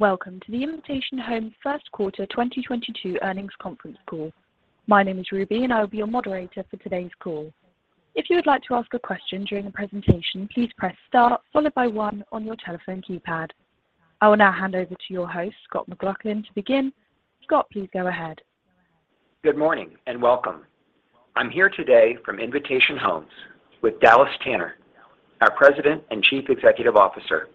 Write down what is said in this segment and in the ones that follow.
Welcome to the Invitation Homes First Quarter 2022 Earnings Conference Call. My name is Ruby, and I will be your moderator for today's call. If you would like to ask a question during the presentation, please press star followed by one on your telephone keypad. I will now hand over to your host, Scott McLaughlin, to begin. Scott, please go ahead. Good morning, and welcome. I'm here today from Invitation Homes with Dallas Tanner, our President and Chief Executive Officer,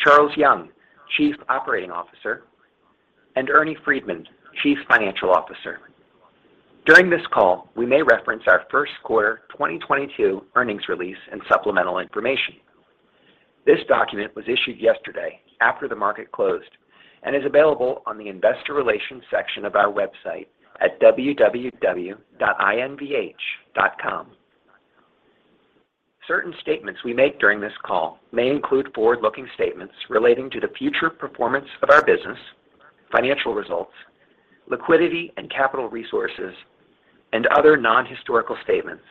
Charles Young, Chief Operating Officer, and Ernie Freedman, Chief Financial Officer. During this call, we may reference our first quarter 2022 earnings release and supplemental information. This document was issued yesterday after the market closed and is available on the investor relations section of our website at www.invh.com. Certain statements we make during this call may include forward-looking statements relating to the future performance of our business, financial results, liquidity and capital resources, and other non-historical statements,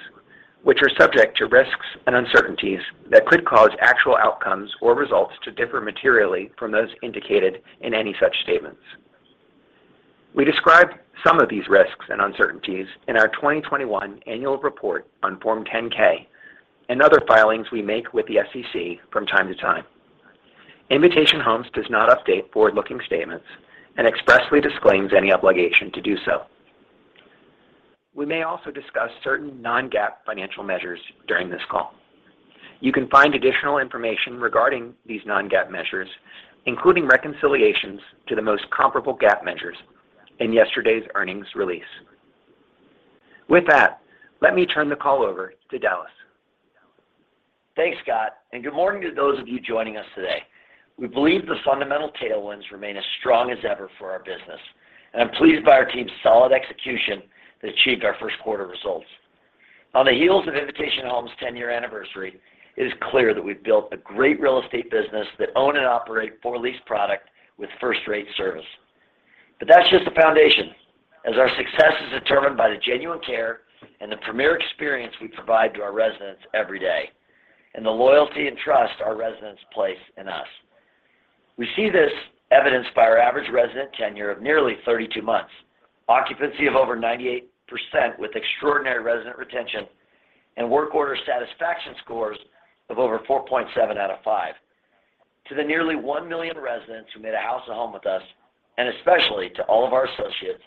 which are subject to risks and uncertainties that could cause actual outcomes or results to differ materially from those indicated in any such statements. We describe some of these risks and uncertainties in our 2021 annual report on Form 10-K and other filings we make with the SEC from time to time. Invitation Homes does not update forward-looking statements and expressly disclaims any obligation to do so. We may also discuss certain non-GAAP financial measures during this call. You can find additional information regarding these non-GAAP measures, including reconciliations to the most comparable GAAP measures in yesterday's earnings release. With that, let me turn the call over to Dallas. Thanks, Scott, and good morning to those of you joining us today. We believe the fundamental tailwinds remain as strong as ever for our business, and I'm pleased by our team's solid execution that achieved our first quarter results. On the heels of Invitation Homes' 10-year anniversary, it is clear that we've built a great real estate business that own and operate for-lease product with first-rate service. That's just the foundation, as our success is determined by the genuine care and the premier experience we provide to our residents every day, and the loyalty and trust our residents place in us. We see this evidenced by our average resident tenure of nearly 32 months, occupancy of over 98% with extraordinary resident retention, and work order satisfaction scores of over 4.7 out of five. To the nearly 1 million residents who made a house a home with us, and especially to all of our associates,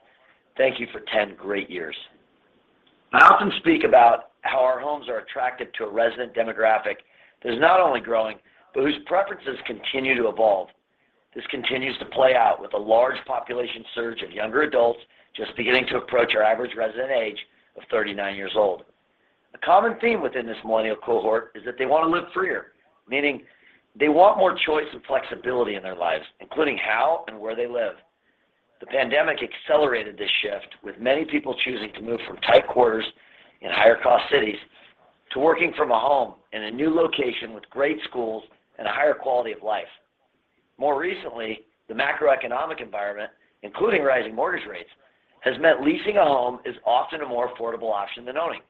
thank you for 10 great years. I often speak about how our homes are attractive to a resident demographic that is not only growing, but whose preferences continue to evolve. This continues to play out with a large population surge of younger adults just beginning to approach our average resident age of 39 years old. A common theme within this millennial cohort is that they want to live freer, meaning they want more choice and flexibility in their lives, including how and where they live. The pandemic accelerated this shift with many people choosing to move from tight quarters in higher-cost cities to working from a home in a new location with great schools and a higher quality of life. More recently, the macroeconomic environment, including rising mortgage rates, has meant leasing a home is often a more affordable option than owning.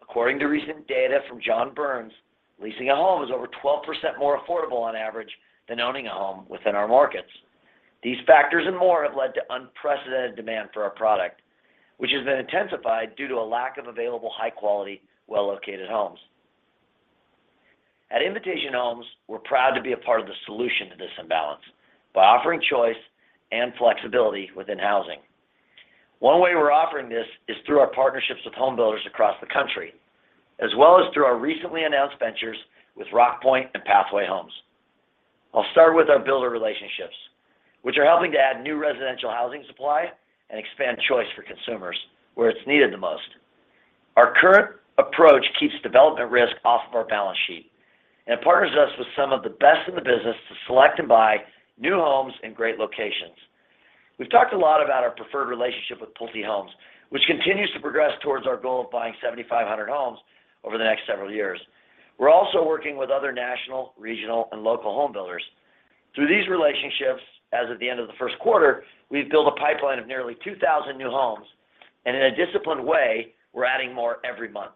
According to recent data from John Burns, leasing a home is over 12% more affordable on average than owning a home within our markets. These factors and more have led to unprecedented demand for our product, which has been intensified due to a lack of available high-quality, well-located homes. At Invitation Homes, we're proud to be a part of the solution to this imbalance by offering choice and flexibility within housing. One way we're offering this is through our partnerships with home builders across the country, as well as through our recently announced ventures with Rockpoint and Pathway Homes. I'll start with our builder relationships, which are helping to add new residential housing supply and expand choice for consumers where it's needed the most. Our current approach keeps development risk off of our balance sheet and partners us with some of the best in the business to select and buy new homes in great locations. We've talked a lot about our preferred relationship with PulteGroup, which continues to progress towards our goal of buying 7,500 homes over the next several years. We're also working with other national, regional, and local home builders. Through these relationships, as of the end of the first quarter, we've built a pipeline of nearly 2,000 new homes, and in a disciplined way, we're adding more every month.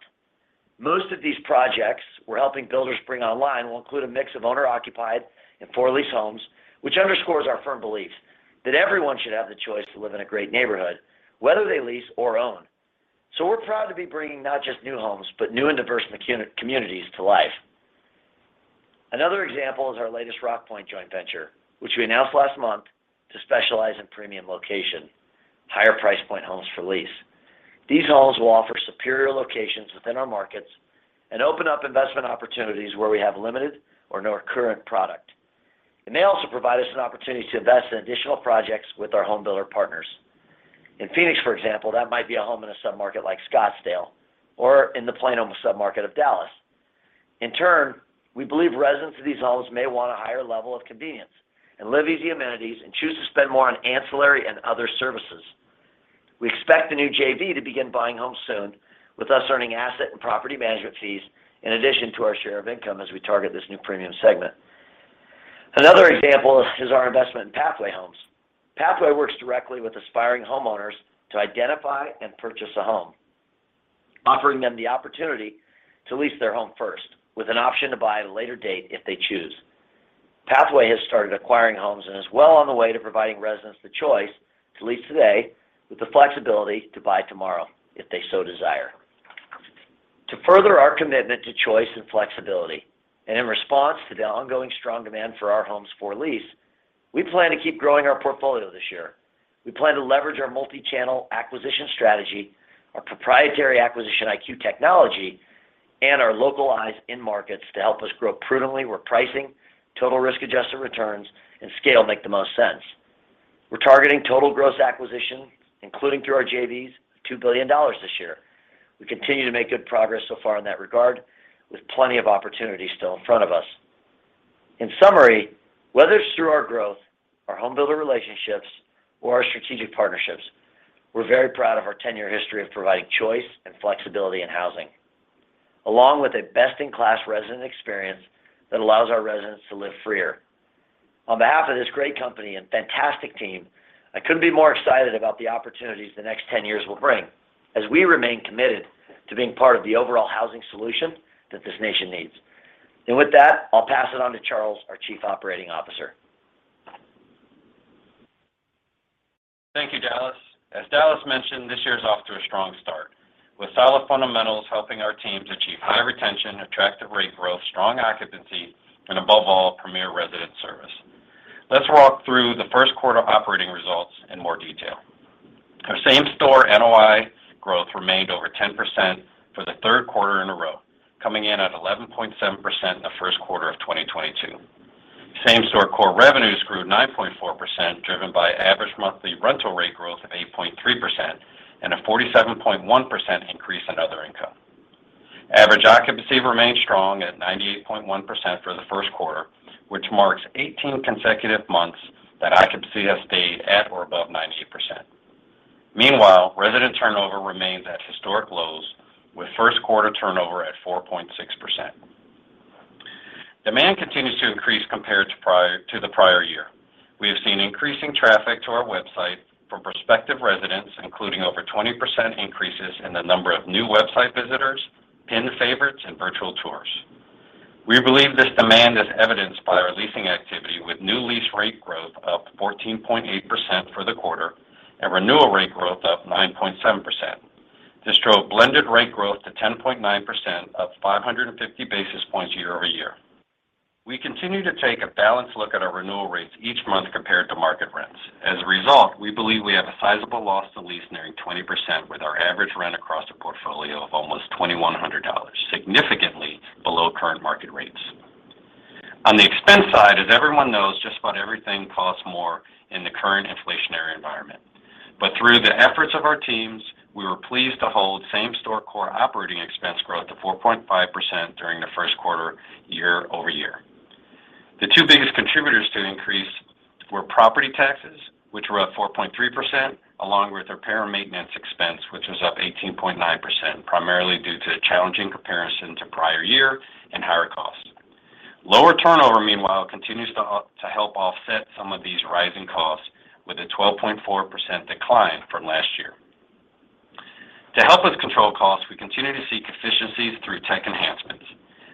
Most of these projects we're helping builders bring online will include a mix of owner-occupied and for-lease homes, which underscores our firm belief that everyone should have the choice to live in a great neighborhood, whether they lease or own. We're proud to be bringing not just new homes, but new and diverse communities to life. Another example is our latest Rockpoint joint venture, which we announced last month to specialize in premium location, higher price point homes for lease. These homes will offer superior locations within our markets and open up investment opportunities where we have limited or no current product. It may also provide us an opportunity to invest in additional projects with our home builder partners. In Phoenix, for example, that might be a home in a submarket like Scottsdale or in the Plano submarket of Dallas. In turn, we believe residents of these homes may want a higher level of convenience and Lease Easy amenities and choose to spend more on ancillary and other services. We expect the new JV to begin buying homes soon with us earning asset and property management fees in addition to our share of income as we target this new premium segment. Another example is our investment in Pathway Homes. Pathway works directly with aspiring homeowners to identify and purchase a home. Offering them the opportunity to lease their home first with an option to buy at a later date if they choose. Pathway has started acquiring homes and is well on the way to providing residents the choice to lease today with the flexibility to buy tomorrow if they so desire. To further our commitment to choice and flexibility, and in response to the ongoing strong demand for our homes for lease, we plan to keep growing our portfolio this year. We plan to leverage our multi-channel acquisition strategy, our proprietary Acquisition IQ technology, and our localized end markets to help us grow prudently where pricing, total risk-adjusted returns, and scale make the most sense. We're targeting total gross acquisition, including through our JVs, $2 billion this year. We continue to make good progress so far in that regard, with plenty of opportunities still in front of us. In summary, whether it's through our growth, our home builder relationships, or our strategic partnerships, we're very proud of our 10-year history of providing choice and flexibility in housing, along with a best-in-class resident experience that allows our residents to live freer. On behalf of this great company and fantastic team, I couldn't be more excited about the opportunities the next 10 years will bring as we remain committed to being part of the overall housing solution that this nation needs. With that, I'll pass it on to Charles, our Chief Operating Officer. Thank you, Dallas. As Dallas mentioned, this year is off to a strong start, with solid fundamentals helping our teams achieve high retention, attractive rate growth, strong occupancy, and above all, premier resident service. Let's walk through the first quarter operating results in more detail. Our same-store NOI growth remained over 10% for the third quarter in a row, coming in at 11.7% in the first quarter of 2022. Same-store core revenues grew 9.4%, driven by average monthly rental rate growth of 8.3% and a 47.1% increase in other income. Average occupancy remained strong at 98.1% for the first quarter, which marks 18 consecutive months that occupancy has stayed at or above 98%. Meanwhile, resident turnover remains at historic lows, with first quarter turnover at 4.6%. Demand continues to increase compared to the prior year. We have seen increasing traffic to our website from prospective residents, including over 20% increases in the number of new website visitors, pinned favorites, and virtual tours. We believe this demand is evidenced by our leasing activity with new lease rate growth up 14.8% for the quarter and renewal rate growth up 9.7%. This drove blended rate growth to 10.9%, up 550 basis points year-over-year. We continue to take a balanced look at our renewal rates each month compared to market rents. As a result, we believe we have a sizable loss to lease nearing 20% with our average rent across the portfolio of almost $2,100, significantly below current market rates. On the expense side, as everyone knows, just about everything costs more in the current inflationary environment. Through the efforts of our teams, we were pleased to hold same-store core operating expense growth to 4.5% during the first quarter year-over-year. The two biggest contributors to the increase were property taxes, which were up 4.3%, along with repair and maintenance expense, which was up 18.9%, primarily due to challenging comparison to prior year and higher costs. Lower turnover, meanwhile, continues to help offset some of these rising costs with a 12.4% decline from last year. To help us control costs, we continue to seek efficiencies through tech enhancements.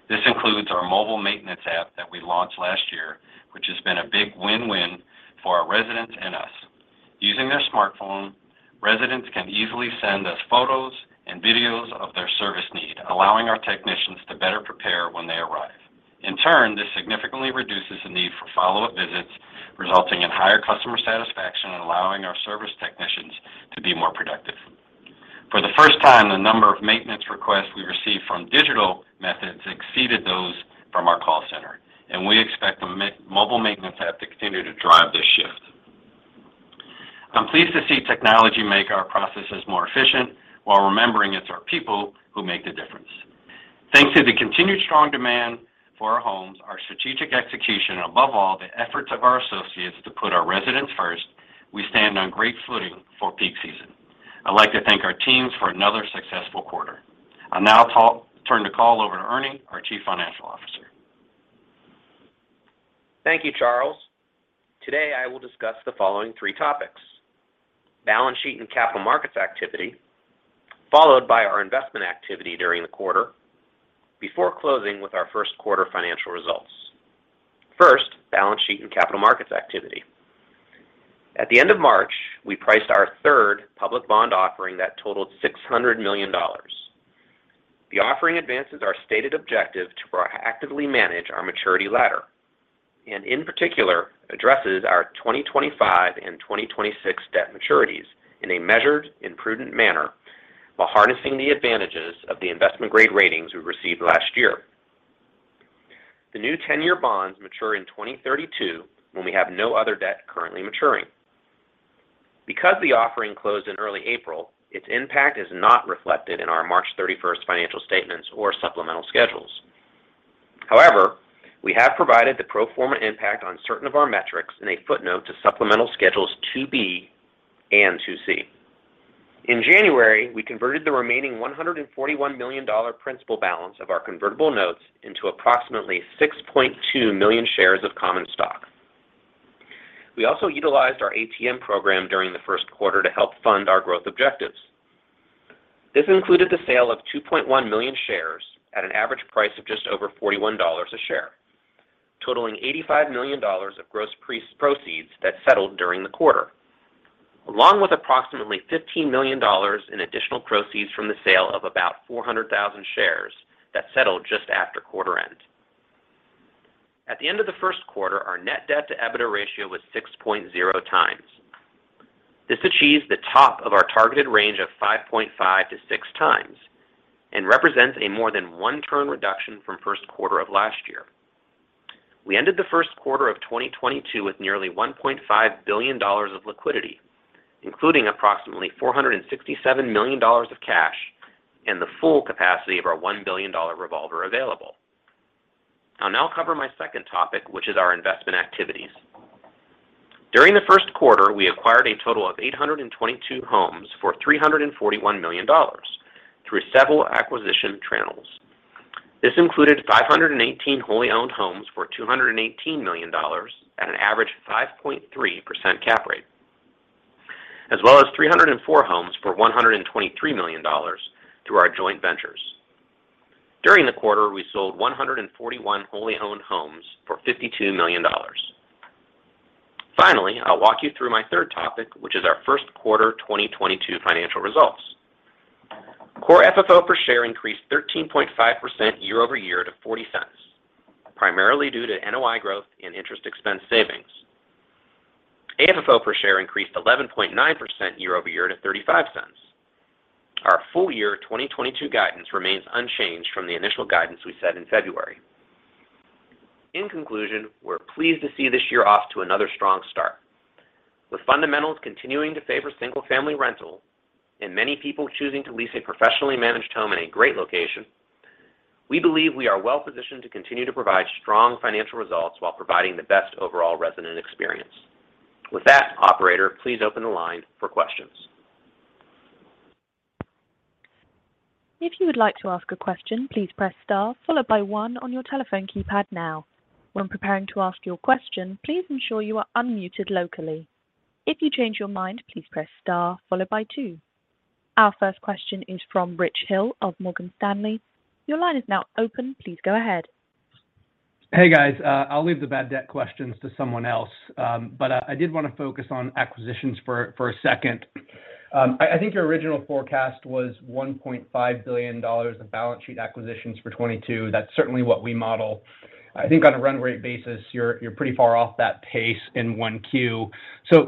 This includes our mobile maintenance app that we launched last year, which has been a big win-win for our residents and us. Using their smartphone, residents can easily send us photos and videos of their service need, allowing our technicians to better prepare when they arrive. In turn, this significantly reduces the need for follow-up visits, resulting in higher customer satisfaction and allowing our service technicians to be more productive. For the first time, the number of maintenance requests we received from digital methods exceeded those from our call center, and we expect the mobile maintenance app to continue to drive this shift. I'm pleased to see technology make our processes more efficient while remembering it's our people who make the difference. Thanks to the continued strong demand for our homes, our strategic execution, above all, the efforts of our associates to put our residents first, we stand on great footing for peak season. I'd like to thank our teams for another successful quarter. I'll now turn the call over to Ernie, our Chief Financial Officer. Thank you, Charles. Today, I will discuss the following three topics, balance sheet and capital markets activity, followed by our investment activity during the quarter, before closing with our first quarter financial results. First, balance sheet and capital markets activity. At the end of March, we priced our third public bond offering that totaled $600 million. The offering advances our stated objective to proactively manage our maturity ladder, and in particular, addresses our 2025 and 2026 debt maturities in a measured and prudent manner while harnessing the advantages of the investment-grade ratings we received last year. The new 10-year bonds mature in 2032 when we have no other debt currently maturing. Because the offering closed in early April, its impact is not reflected in our March 31 financial statements or supplemental schedules. However, we have provided the pro forma impact on certain of our metrics in a footnote to supplemental schedules 2B and 2C. In January, we converted the remaining $141 million principal balance of our convertible notes into approximately 6.2 million shares of common stock. We also utilized our ATM program during the first quarter to help fund our growth objectives. This included the sale of 2.1 million shares at an average price of just over $41 a share, totaling $85 million of gross proceeds that settled during the quarter, along with approximately $15 million in additional proceeds from the sale of about 400,000 shares that settled just after quarter end. At the end of the first quarter, our net debt to EBITDA ratio was 6.0 times. This achieves the top of our targeted range of 5.5-6 times and represents a more than one-turn reduction from first quarter of last year. We ended the first quarter of 2022 with nearly $1.5 billion of liquidity, including approximately $467 million of cash and the full capacity of our $1 billion revolver available. I'll now cover my second topic, which is our investment activities. During the first quarter, we acquired a total of 822 homes for $341 million through several acquisition channels. This included 518 wholly owned homes for $218 million at an average 5.3% cap rate, as well as 304 homes for $123 million through our joint ventures. During the quarter, we sold 141 wholly owned homes for $52 million. Finally, I'll walk you through my third topic, which is our first quarter 2022 financial results. Core FFO per share increased 13.5% year-over-year to $0.40, primarily due to NOI growth and interest expense savings. AFFO per share increased 11.9% year-over-year to $0.35. Our full year 2022 guidance remains unchanged from the initial guidance we set in February. In conclusion, we're pleased to see this year off to another strong start. With fundamentals continuing to favor single-family rental and many people choosing to lease a professionally managed home in a great location, we believe we are well-positioned to continue to provide strong financial results while providing the best overall resident experience. With that, operator, please open the line for questions. If you would like to ask a question, please press star followed by one on your telephone keypad now. When preparing to ask your question, please ensure you are unmuted locally. If you change your mind, please press star followed by two. Our first question is from Rich Hill of Morgan Stanley. Your line is now open. Please go ahead. Hey, guys. I'll leave the bad debt questions to someone else, but I did wanna focus on acquisitions for a second. I think your original forecast was $1.5 billion of balance sheet acquisitions for 2022. That's certainly what we model. I think on a run rate basis, you're pretty far off that pace in 1Q.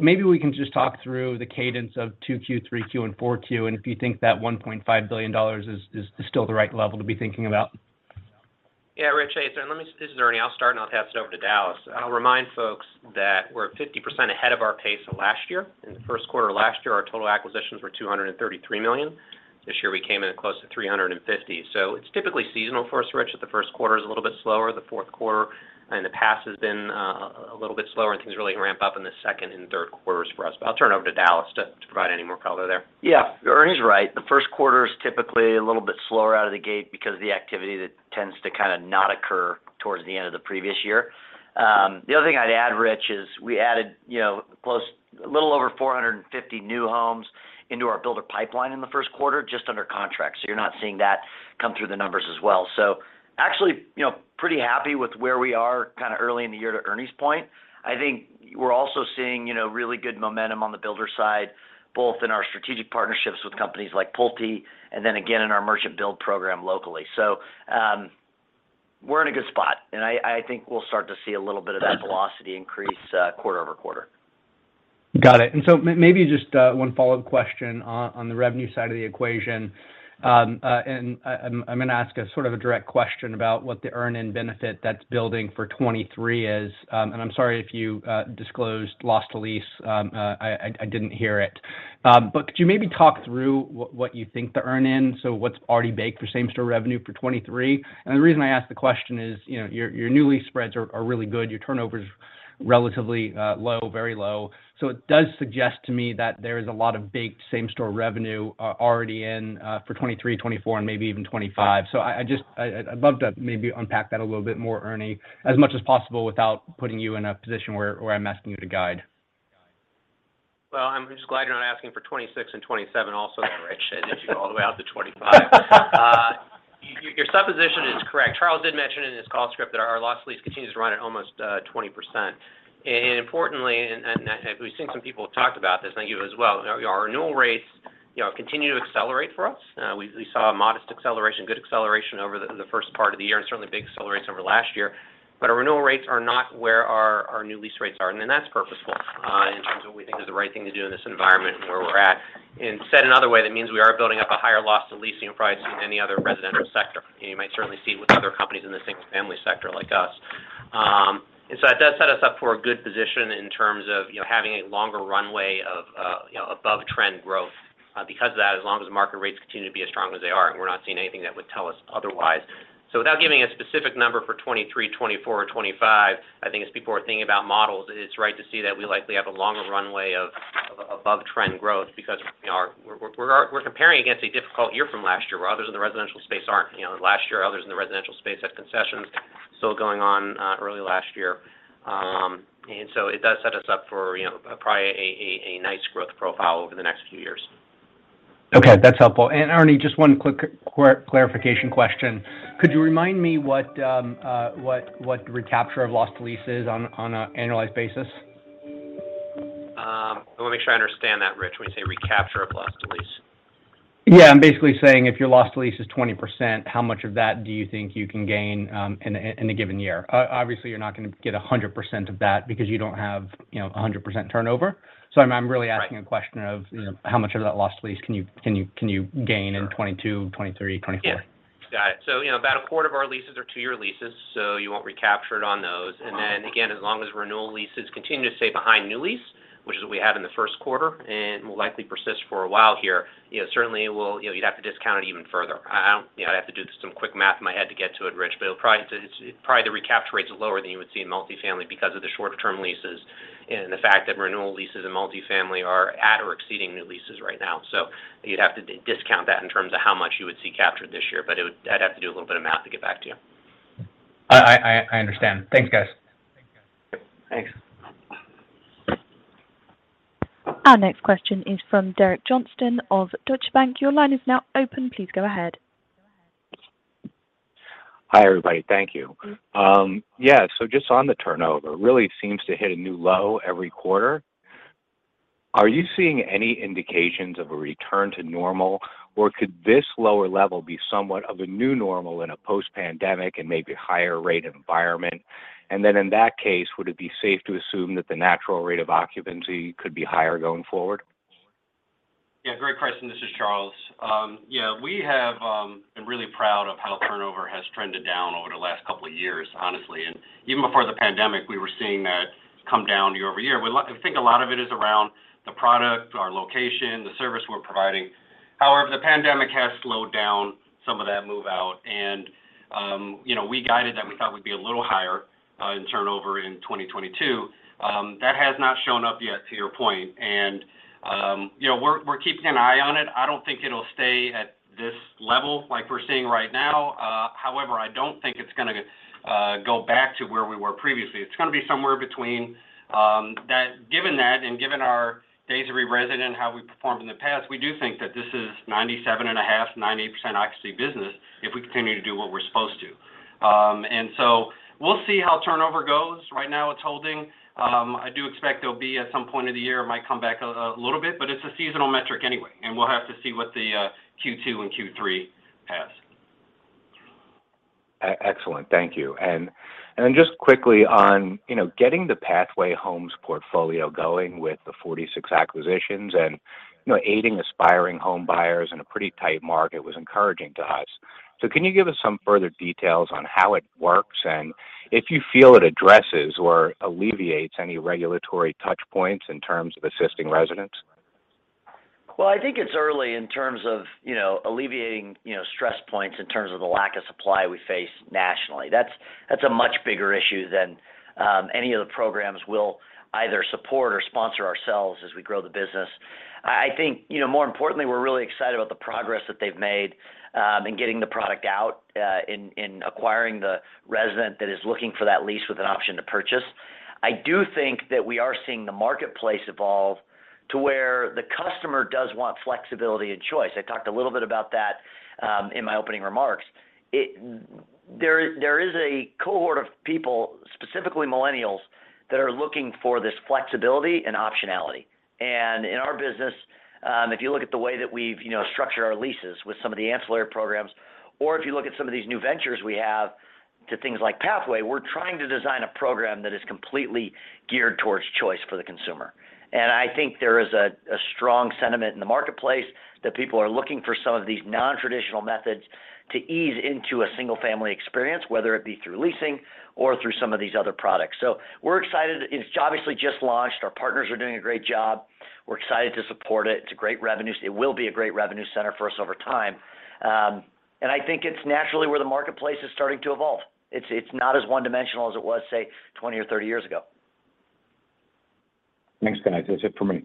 Maybe we can just talk through the cadence of 2Q, 3Q, and 4Q, and if you think that $1.5 billion is still the right level to be thinking about. This is Ernie. I'll start, and I'll pass it over to Dallas. I'll remind folks that we're 50% ahead of our pace of last year. In the first quarter of last year, our total acquisitions were $233 million. This year, we came in close to $350 million. It's typically seasonal for us, Rich. The first quarter is a little bit slower. The fourth quarter in the past has been a little bit slower, and things really ramp up in the second and third quarters for us. I'll turn it over to Dallas to provide any more color there. Yeah. Ernie's right. The first quarter is typically a little bit slower out of the gate because of the activity that tends to kinda not occur towards the end of the previous year. The other thing I'd add, Rich, is we added, you know, a little over 450 new homes into our builder pipeline in the first quarter just under contract. So you're not seeing that come through the numbers as well. So actually, you know, pretty happy with where we are kinda early in the year to Ernie's point. I think we're also seeing, you know, really good momentum on the builder side, both in our strategic partnerships with companies like Pulte and then again in our merchant build program locally. We're in a good spot, and I think we'll start to see a little bit of that velocity increase quarter-over-quarter. Got it. Maybe just one follow-up question on the revenue side of the equation. I'm gonna ask a sort of direct question about what the earn in benefit that's building for 2023 is. I'm sorry if you disclosed loss to lease. I didn't hear it. Could you maybe talk through what you think the earn in, so what's already baked for same-store revenue for 2023? The reason I ask the question is, you know, your new lease spreads are really good. Your turnover is relatively low, very low. It does suggest to me that there is a lot of baked same-store revenue already in for 2023, 2024, and maybe even 2025. I just... I'd love to maybe unpack that a little bit more, Ernie, as much as possible without putting you in a position where I'm asking you to guide. Well, I'm just glad you're not asking for 26 and 27 also there, Rich. I did you all the way out to 25. Your supposition is correct. Charles did mention in his call script that our loss to lease continues to run at almost 20%. Importantly, we've seen some people talk about this, and you as well, our renewal rates, you know, continue to accelerate for us. We saw a modest acceleration, good acceleration over the first part of the year and certainly big accelerations over last year. Our renewal rates are not where our new lease rates are, and that's purposeful in terms of what we think is the right thing to do in this environment and where we're at. Said another way, that means we are building up a higher loss to lease than probably you see in any other residential sector, and you might certainly see with other companies in the single-family sector like us. That does set us up for a good position in terms of, you know, having a longer runway of, you know, above trend growth, because of that as long as market rates continue to be as strong as they are, and we're not seeing anything that would tell us otherwise. Without giving a specific number for 2023, 2024 or 2025, I think as people are thinking about models, it's right to see that we likely have a longer runway of above trend growth because, you know, we're comparing against a difficult year from last year. Others in the residential space aren't. You know, last year, others in the residential space had concessions still going on early last year. It does set us up for, you know, probably a nice growth profile over the next few years. Okay, that's helpful. Ernie, just one quick clarification question. Could you remind me what recapture of loss to lease is on an annualized basis? Let me make sure I understand that, Rich. When you say recapture of loss to lease? Yeah. I'm basically saying if your loss to lease is 20%, how much of that do you think you can gain in a given year? Obviously, you're not gonna get 100% of that because you don't have, you know, 100% turnover. I'm really asking. Right A question of, you know, how much of that loss to lease can you gain- Sure... in 2022, 2023, 2024? Yeah. Got it. You know, about a quarter of our leases are two-year leases, so you won't recapture it on those. Uh-huh. As long as renewal leases continue to stay behind new lease, which is what we had in the first quarter and will likely persist for a while here, you know, certainly it will. You know, you'd have to discount it even further. I, you know, I'd have to do some quick math in my head to get to it, Rich, but probably to probably the recapture rate's lower than you would see in multifamily because of the short-term leases and the fact that renewal leases in multifamily are at or exceeding new leases right now. So you'd have to discount that in terms of how much you would see captured this year, but it would. I'd have to do a little bit of math to get back to you. I understand. Thanks, guys. Thanks. Our next question is from Derek Johnston of Deutsche Bank. Your line is now open. Please go ahead. Hi, everybody. Thank you. Just on the turnover, really seems to hit a new low every quarter. Are you seeing any indications of a return to normal, or could this lower level be somewhat of a new normal in a post-pandemic and maybe higher rate environment? Then in that case, would it be safe to assume that the natural rate of occupancy could be higher going forward? Yeah, great question. This is Charles. Yeah, we have been really proud of how turnover has trended down over the last couple of years, honestly. Even before the pandemic, we were seeing that come down year over year. We think a lot of it is around the product, our location, the service we're providing. However, the pandemic has slowed down some of that move-out. You know, we guided that we thought we'd be a little higher in turnover in 2022. That has not shown up yet, to your point. You know, we're keeping an eye on it. I don't think it'll stay at this level like we're seeing right now. However, I don't think it's gonna go back to where we were previously. It's gonna be somewhere between that. Given that, and given our days of re-resident and how we performed in the past, we do think that this is 97.5%, 90% occupancy business if we continue to do what we're supposed to. We'll see how turnover goes. Right now, it's holding. I do expect there'll be at some point of the year, it might come back a little bit, but it's a seasonal metric anyway, and we'll have to see what the Q2 and Q3 has. Excellent. Thank you. Just quickly on, you know, getting the Pathway Homes portfolio going with the 46 acquisitions and, you know, aiding aspiring home buyers in a pretty tight market was encouraging to us. Can you give us some further details on how it works and if you feel it addresses or alleviates any regulatory touch points in terms of assisting residents? Well, I think it's early in terms of, you know, alleviating, you know, stress points in terms of the lack of supply we face nationally. That's a much bigger issue than any of the programs we'll either support or sponsor ourselves as we grow the business. I think, you know, more importantly, we're really excited about the progress that they've made in getting the product out in acquiring the resident that is looking for that lease with an option to purchase. I do think that we are seeing the marketplace evolve to where the customer does want flexibility and choice. I talked a little bit about that in my opening remarks. There is a cohort of people, specifically millennials, that are looking for this flexibility and optionality. In our business, if you look at the way that we've, you know, structured our leases with some of the ancillary programs, or if you look at some of these new ventures we have, too, things like Pathway, we're trying to design a program that is completely geared toward choice for the consumer. I think there is a strong sentiment in the marketplace that people are looking for some of these non-traditional methods to ease into a single-family experience, whether it be through leasing or through some of these other products. We're excited. It's obviously just launched. Our partners are doing a great job. We're excited to support it. It will be a great revenue center for us over time. I think it's naturally where the marketplace is starting to evolve. It's not as one-dimensional as it was, say, 20 or 30 years ago. Thanks, guys. That's it for me.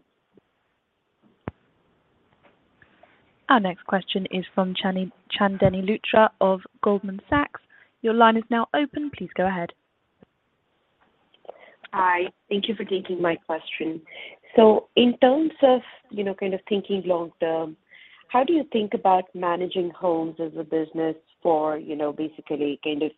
Our next question is from Chandni Luthra of Goldman Sachs. Your line is now open. Please go ahead. Hi. Thank you for taking my question. In terms of, you know, kind of thinking long term, how do you think about managing homes as a business for, you know, basically kind of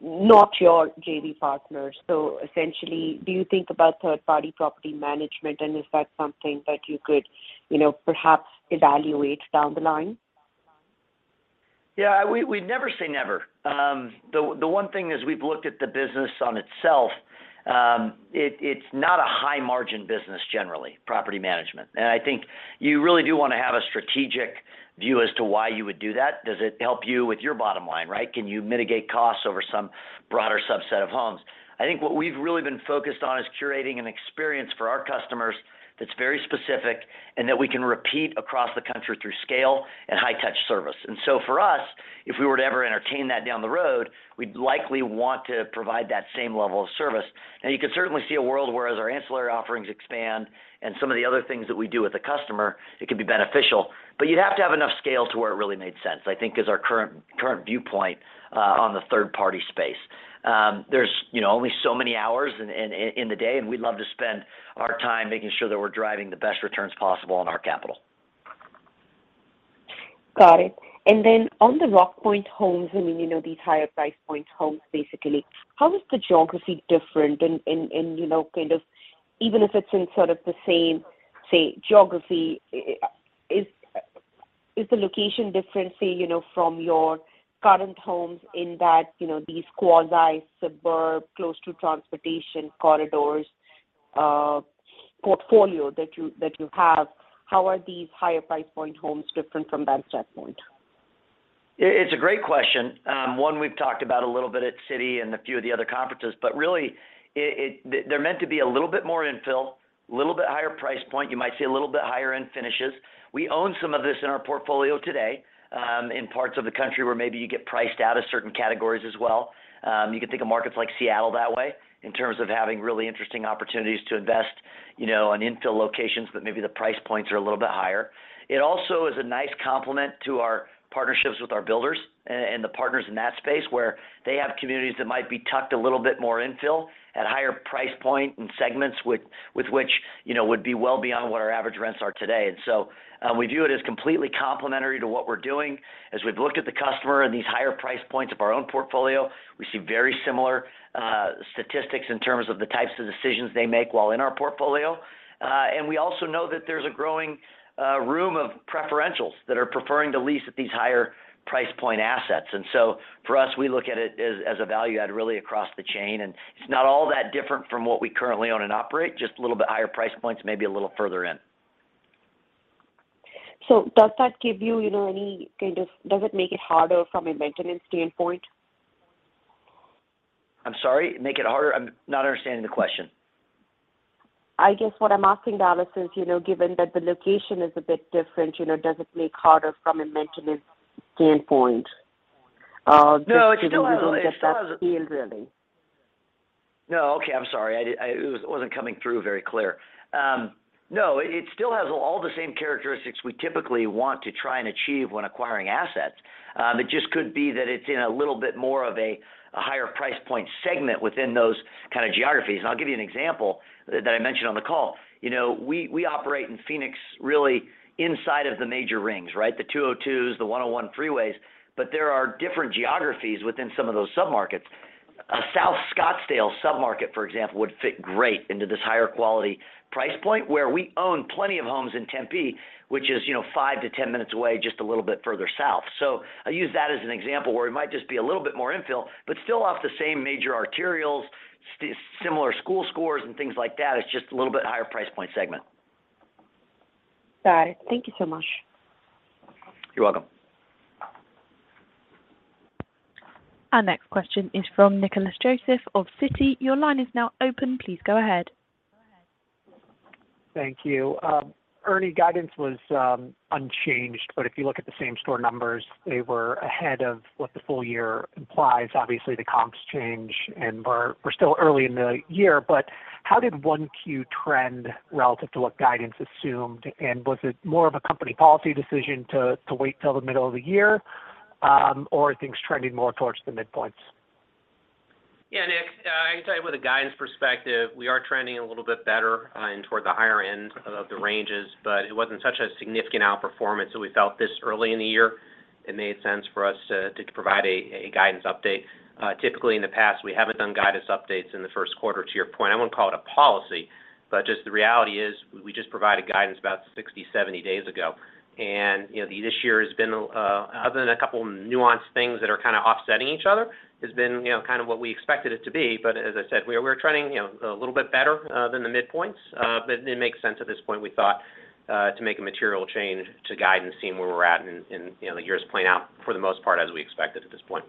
not your JV partners? Essentially, do you think about third-party property management, and is that something that you could, you know, perhaps evaluate down the line? Yeah, we never say never. The one thing is we've looked at the business on itself. It's not a high margin business generally, property management. I think you really do wanna have a strategic view as to why you would do that. Does it help you with your bottom line, right? Can you mitigate costs over some broader subset of homes? I think what we've really been focused on is curating an experience for our customers that's very specific and that we can repeat across the country through scale and high touch service. For us, if we were to ever entertain that down the road, we'd likely want to provide that same level of service. Now, you could certainly see a world where as our ancillary offerings expand and some of the other things that we do with the customer, it could be beneficial. You'd have to have enough scale to where it really made sense, I think is our current viewpoint on the third party space. There's, you know, only so many hours in the day, and we'd love to spend our time making sure that we're driving the best returns possible on our capital. Got it. On the Rockpoint homes, I mean, you know, these higher price point homes, basically, how is the geography different in, you know, kind of even if it's in sort of the same, say, geography, is the location different, say, you know, from your current homes in that, you know, these quasi-suburban, close to transportation corridors, portfolio that you have? How are these higher price point homes different from that standpoint? It's a great question. One we've talked about a little bit at Citi and a few of the other conferences. Really, they're meant to be a little bit more infill, a little bit higher price point. You might see a little bit higher-end finishes. We own some of this in our portfolio today, in parts of the country where maybe you get priced out of certain categories as well. You can think of markets like Seattle that way in terms of having really interesting opportunities to invest, you know, on infill locations, but maybe the price points are a little bit higher. It also is a nice complement to our partnerships with our builders and the partners in that space, where they have communities that might be tucked a little bit more infill at higher price point and segments with which, you know, would be well beyond what our average rents are today. We view it as completely complementary to what we're doing. As we've looked at the customer and these higher price points of our own portfolio, we see very similar statistics in terms of the types of decisions they make while in our portfolio. We also know that there's a growing room of preferential that are preferring to lease at these higher price point assets. For us, we look at it as a value add really across the chain, and it's not all that different from what we currently own and operate, just a little bit higher price points, maybe a little further in. Does it make it harder from a maintenance standpoint? I'm sorry. Make it harder? I'm not understanding the question. I guess what I'm asking, Dallas, is, you know, given that the location is a bit different, you know, does it make it harder from a maintenance standpoint? No, it still has. Just so that we don't get that feel, really. No. Okay. I'm sorry. It wasn't coming through very clear. No, it still has all the same characteristics we typically want to try and achieve when acquiring assets. It just could be that it's in a little bit more of a higher price point segment within those kind of geographies. I'll give you an example that I mentioned on the call. You know, we operate in Phoenix really inside of the major rings, right? The 202s, the 101 freeways. There are different geographies within some of those submarkets. A South Scottsdale submarket, for example, would fit great into this higher quality price point where we own plenty of homes in Tempe, which is, you know, 5-10 minutes away, just a little bit further south. I use that as an example where it might just be a little bit more infill, but still off the same major arterials, similar school scores, and things like that. It's just a little bit higher price point segment. Got it. Thank you so much. You're welcome. Our next question is from Nicholas Joseph of Citi. Your line is now open. Please go ahead. Thank you. Ernie, guidance was unchanged, but if you look at the same store numbers, they were ahead of what the full year implies. Obviously, the comps change, and we're still early in the year. How did 1Q trend relative to what guidance assumed, and was it more of a company policy decision to wait till the middle of the year, or are things trending more towards the midpoints? Yeah. Nick, I can tell you with a guidance perspective, we are trending a little bit better and toward the higher end of the ranges. It wasn't such a significant outperformance that we felt, this early in the year, it made sense for us to provide a guidance update. Typically in the past, we haven't done guidance updates in the first quarter, to your point. I wouldn't call it a policy, but just the reality is we just provided guidance about 60, 70 days ago. You know, this year has been, other than a couple nuanced things that are kind of offsetting each other, you know, kind of what we expected it to be. As I said, we are trending, you know, a little bit better than the midpoints. It didn't make sense at this point, we thought, to make a material change to guidance, seeing where we're at and you know, the year is playing out for the most part as we expected at this point.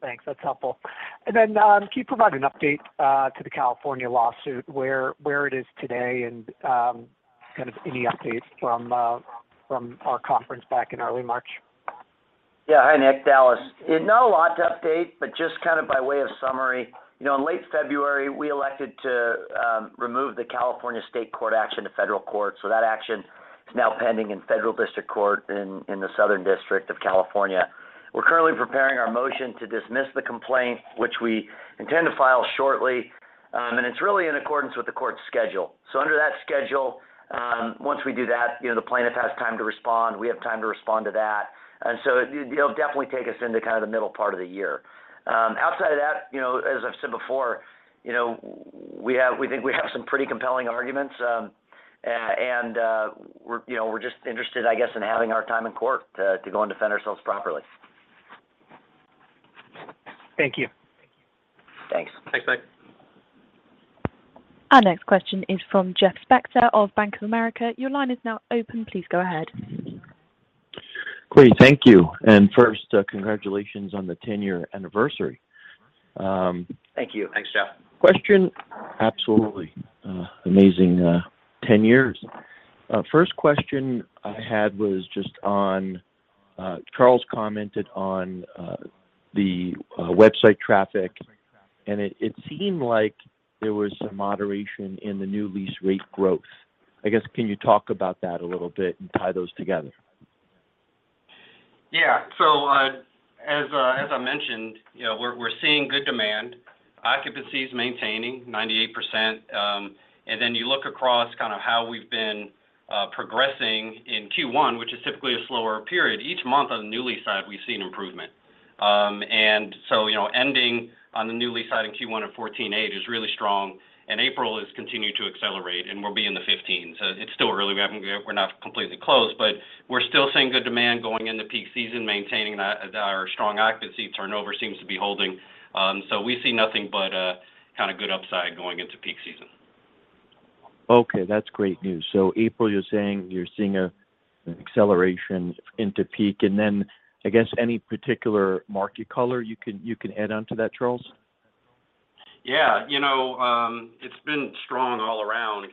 Thanks. That's helpful. Can you provide an update to the California lawsuit, where it is today and kind of any updates from our conference back in early March? Yeah. Hi, Nick. Dallas. Not a lot to update, but just kind of by way of summary. You know, in late February, we elected to remove the California state court action to federal court. That action is now pending in Federal District Court in the Southern District of California. We're currently preparing our motion to dismiss the complaint, which we intend to file shortly. It's really in accordance with the court's schedule. Under that schedule, once we do that, you know, the plaintiff has time to respond, we have time to respond to that. It, you know, definitely take us into kind of the middle part of the year. Outside of that, you know, as I've said before, you know, we think we have some pretty compelling arguments. We're, you know, just interested, I guess, in having our time in court to go and defend ourselves properly. Thank you. Thanks. Thanks, Nick. Our next question is from Jeff Spector of Bank of America. Your line is now open. Please go ahead. Great. Thank you. First, congratulations on the ten-year anniversary. Thank you. Thanks, Jeff. Question. Absolutely amazing 10 years. First question I had was just on Charles commented on the website traffic, and it seemed like there was some moderation in the new lease rate growth. I guess, can you talk about that a little bit and tie those together? Yeah. As I mentioned, you know, we're seeing good demand. Occupancy is maintaining 98%. You look across kind of how we've been progressing in Q1, which is typically a slower period. Each month on the newly side, we've seen improvement. You know, ending on the newly side in Q1 at 14.8 is really strong, and April has continued to accelerate, and we'll be in the 15. It's still early. We're not completely closed, but we're still seeing good demand going into peak season, maintaining our strong occupancy. Turnover seems to be holding. We see nothing but kind of good upside going into peak season. Okay, that's great news. April, you're saying you're seeing an acceleration into peak. I guess any particular market color you can add on to that, Charles? Yeah. You know, it's been strong all around.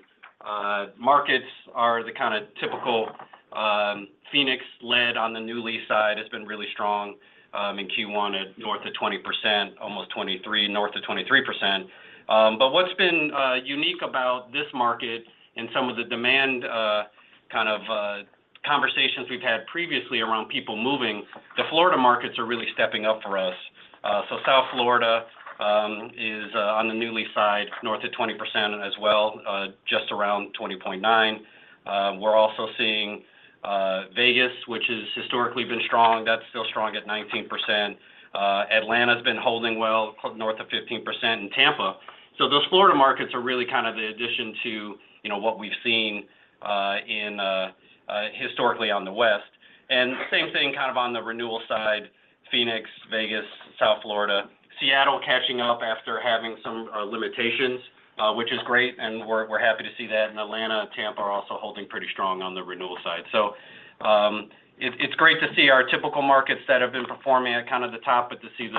Markets are the kind of typical, Phoenix led on the new lease side. It's been really strong in Q1 at north of 20%, almost 23, north of 23%. What's been unique about this market and some of the demand, kind of, conversations we've had previously around people moving, the Florida markets are really stepping up for us. South Florida is on the new lease side, north of 20% as well, just around 20.9. We're also seeing Vegas, which has historically been strong. That's still strong at 19%. Atlanta's been holding well, north of 15%, and Tampa. Those Florida markets are really kind of the addition to, you know, what we've seen, in historically on the West. Same thing kind of on the renewal side, Phoenix, Vegas, South Florida. Seattle catching up after having some limitations, which is great, and we're happy to see that. Atlanta and Tampa are also holding pretty strong on the renewal side. It's great to see our typical markets that have been performing at kind of the top, but to see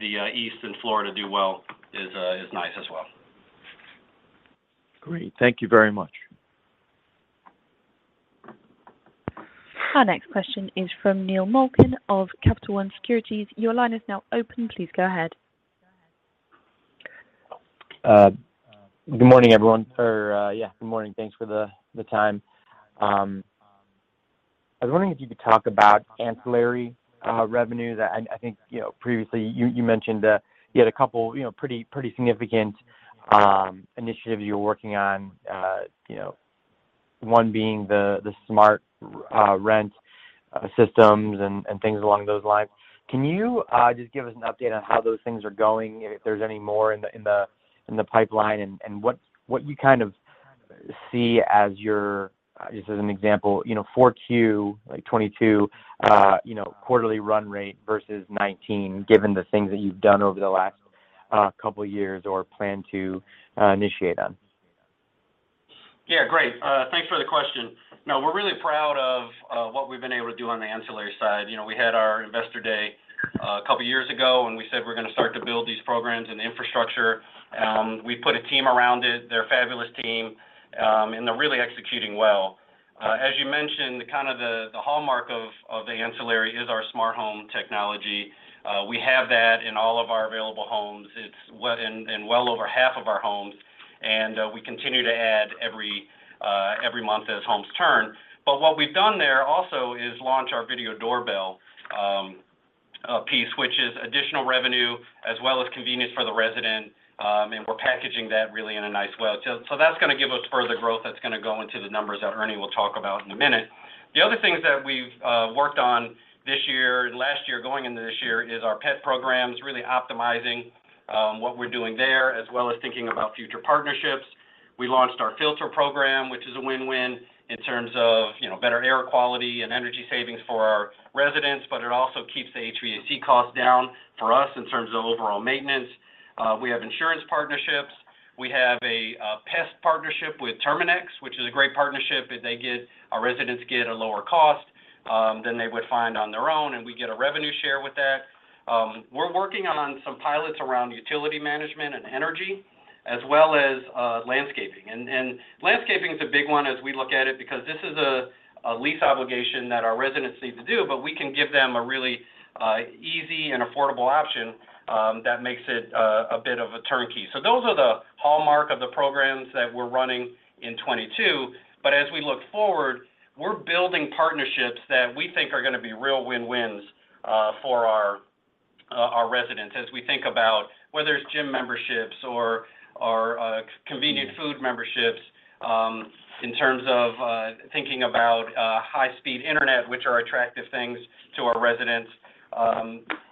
the East and Florida do well is nice as well. Great. Thank you very much. Our next question is from Neil Malkin of Capital One Securities. Your line is now open. Please go ahead. Good morning, everyone. Thanks for the time. I was wondering if you could talk about ancillary revenue that I think, you know, previously you mentioned you had a couple, you know, pretty significant initiatives you're working on. You know, one being the SmartRent systems and things along those lines. Can you just give us an update on how those things are going, if there's any more in the pipeline and what you kind of see as your, just as an example, you know, 4Q like 2022, you know, quarterly run rate versus 2019, given the things that you've done over the last couple of years or plan to initiate on? Yeah, great. Thanks for the question. No, we're really proud of what we've been able to do on the ancillary side. You know, we had our investor day a couple of years ago, and we said we're gonna start to build these programs and infrastructure. We put a team around it. They're a fabulous team, and they're really executing well. As you mentioned, kind of the hallmark of the ancillary is our smart home technology. We have that in all of our available homes. It's well over half of our homes, and we continue to add every month as homes turn. What we've done there also is launch our video doorbell piece, which is additional revenue as well as convenience for the resident, and we're packaging that really in a nice way. That's gonna give us further growth that's gonna go into the numbers that Ernie will talk about in a minute. The other things that we've worked on this year and last year going into this year is our pet programs, really optimizing what we're doing there, as well as thinking about future partnerships. We launched our filter program, which is a win-win in terms of better air quality and energy savings for our residents, but it also keeps the HVAC costs down for us in terms of overall maintenance. We have insurance partnerships. We have a pest partnership with Terminix, which is a great partnership, and our residents get a lower cost than they would find on their own, and we get a revenue share with that. We're working on some pilots around utility management and energy, as well as, landscaping. Landscaping is a big one as we look at it because this is a lease obligation that our residents need to do, but we can give them a really easy and affordable option that makes it a bit of a turnkey. Those are the hallmark of the programs that we're running in 2022. As we look forward, we're building partnerships that we think are gonna be real win-wins for our residents as we think about whether it's gym memberships or convenient food memberships in terms of thinking about high-speed internet, which are attractive things to our residents.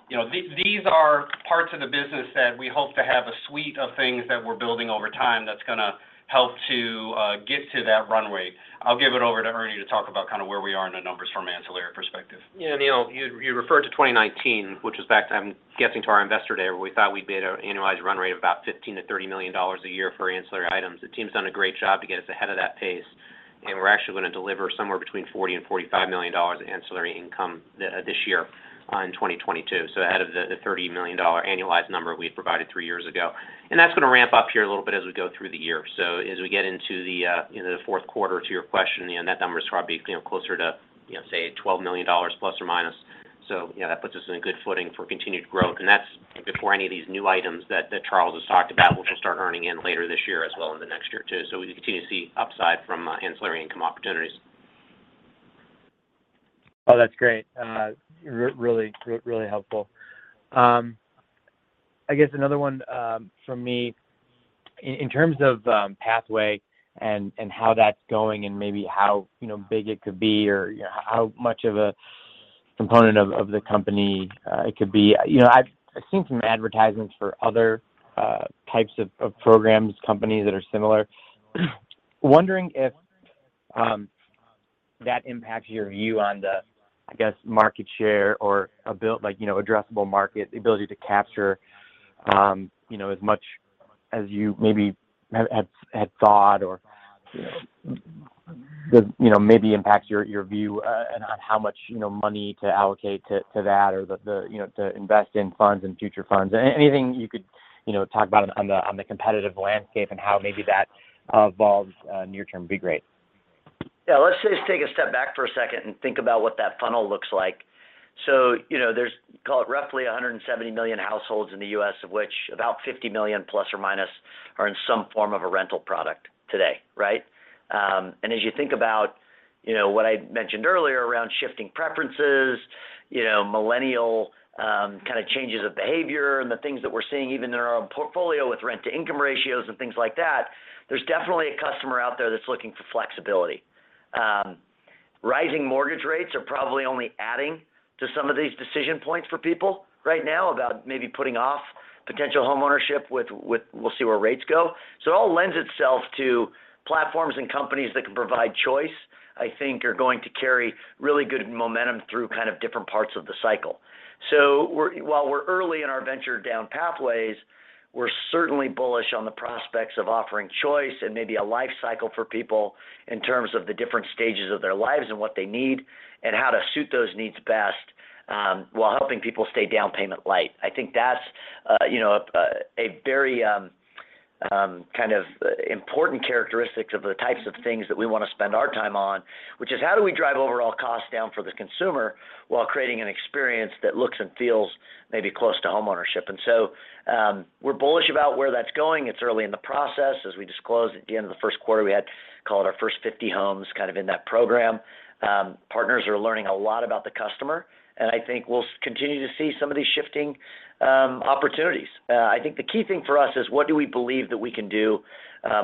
You know, these are parts of the business that we hope to have a suite of things that we're building over time that's gonna help to get to that runway. I'll give it over to Ernie to talk about kind of where we are in the numbers from ancillary perspective. Yeah, Neil, you referred to 2019, which was back to, I'm guessing, to our investor day, where we thought we'd be at an annualized run rate of about $15 million-$30 million a year for ancillary items. The team's done a great job to get us ahead of that pace, and we're actually gonna deliver somewhere between $40 million-$45 million of ancillary income this year in 2022. Ahead of the $30 million annualized number we provided three years ago. That's gonna ramp up here a little bit as we go through the year. As we get into you know, the fourth quarter to your question, you know, that number is probably, you know, closer to, you know, say $12 million ±. You know, that puts us on a good footing for continued growth. That's. Before any of these new items that Charles has talked about, which we'll start earning in later this year as well in the next year too. We continue to see upside from ancillary income opportunities. Oh, that's great. Really helpful. I guess another one from me in terms of Pathway and how that's going and maybe how, you know, big it could be or how much of a component of the company it could be. You know, I've seen some advertisements for other types of programs, companies that are similar. Wondering if that impacts your view on the, I guess, market share or like, you know, addressable market, the ability to capture, you know, as much as you maybe have had thought or, you know, maybe impacts your view on how much, you know, money to allocate to that or the you know to invest in funds and future funds. Anything you could, you know, talk about on the competitive landscape and how maybe that evolves near term would be great. Yeah. Let's just take a step back for a second and think about what that funnel looks like. You know, there's, call it, roughly 170 million households in the U.S., of which about 50 million plus or minus are in some form of a rental product today, right? As you think about, you know, what I mentioned earlier around shifting preferences, you know, Millennial kind of changes of behavior and the things that we're seeing even in our own portfolio with rent-to-income ratios and things like that, there's definitely a customer out there that's looking for flexibility. Rising mortgage rates are probably only adding to some of these decision points for people right now about maybe putting off potential homeownership with we'll see where rates go. It all lends itself to platforms and companies that can provide choice, I think are going to carry really good momentum through kind of different parts of the cycle. While we're early in our venture down Pathway Homes, we're certainly bullish on the prospects of offering choice and maybe a life cycle for people in terms of the different stages of their lives and what they need and how to suit those needs best, while helping people stay down payment light. I think that's, you know, a very, kind of important characteristic of the types of things that we wanna spend our time on, which is how do we drive overall costs down for the consumer while creating an experience that looks and feels maybe close to homeownership. We're bullish about where that's going. It's early in the process. As we disclosed at the end of the first quarter, we had, call it, our first 50 homes kind of in that program. Partners are learning a lot about the customer, and I think we'll continue to see some of these shifting opportunities. I think the key thing for us is what do we believe that we can do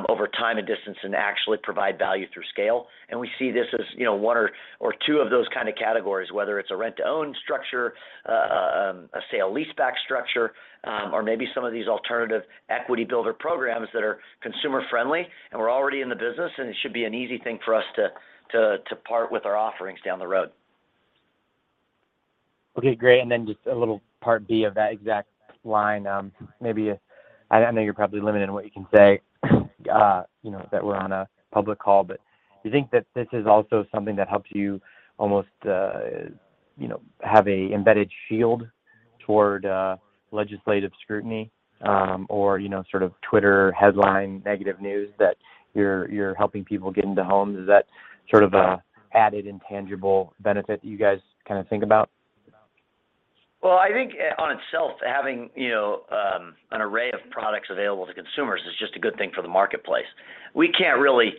over time and distance and actually provide value through scale. We see this as, you know, one or two of those kind of categories, whether it's a rent-to-own structure, a sale leaseback structure, or maybe some of these alternative equity builder programs that are consumer friendly and we're already in the business and it should be an easy thing for us to part with our offerings down the road. Okay, great. Just a little part B of that exact line, maybe I know you're probably limited in what you can say, you know, that we're on a public call, but do you think that this is also something that helps you almost, you know, have an embedded shield toward legislative scrutiny, or you know, sort of Twitter headline negative news that you're helping people get into homes? Is that sort of an added intangible benefit you guys kind of think about? Well, I think in itself, having, you know, an array of products available to consumers is just a good thing for the marketplace. We can't really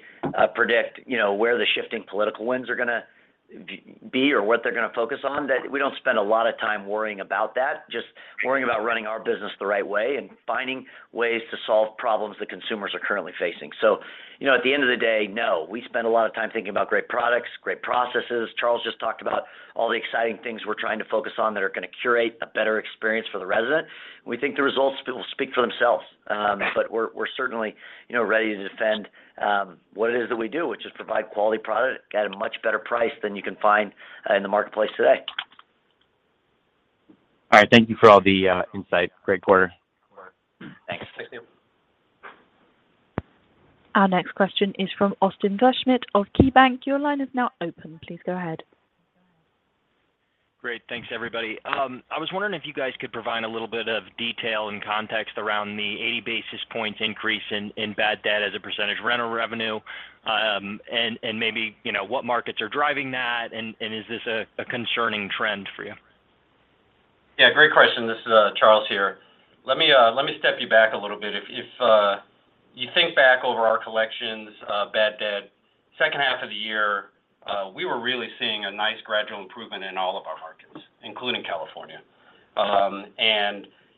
predict, you know, where the shifting political winds are gonna be or what they're gonna focus on. That we don't spend a lot of time worrying about that, just worrying about running our business the right way and finding ways to solve problems that consumers are currently facing. You know, at the end of the day, no. We spend a lot of time thinking about great products, great processes. Charles just talked about all the exciting things we're trying to focus on that are gonna create a better experience for the resident. We think the results will speak for themselves. We're certainly, you know, ready to defend what it is that we do, which is provide quality product at a much better price than you can find in the marketplace today. All right. Thank you for all the insight. Great quarter. All right. Thanks. Our next question is from Austin Wurschmidt of KeyBanc. Your line is now open. Please go ahead. Great. Thanks, everybody. I was wondering if you guys could provide a little bit of detail and context around the 80 basis points increase in bad debt as a percentage of rental revenue, and maybe, you know, what markets are driving that and is this a concerning trend for you? Yeah, great question. This is Charles here. Let me step you back a little bit. If you think back over our collections, bad debt, second half of the year, we were really seeing a nice gradual improvement in all of our markets, including California.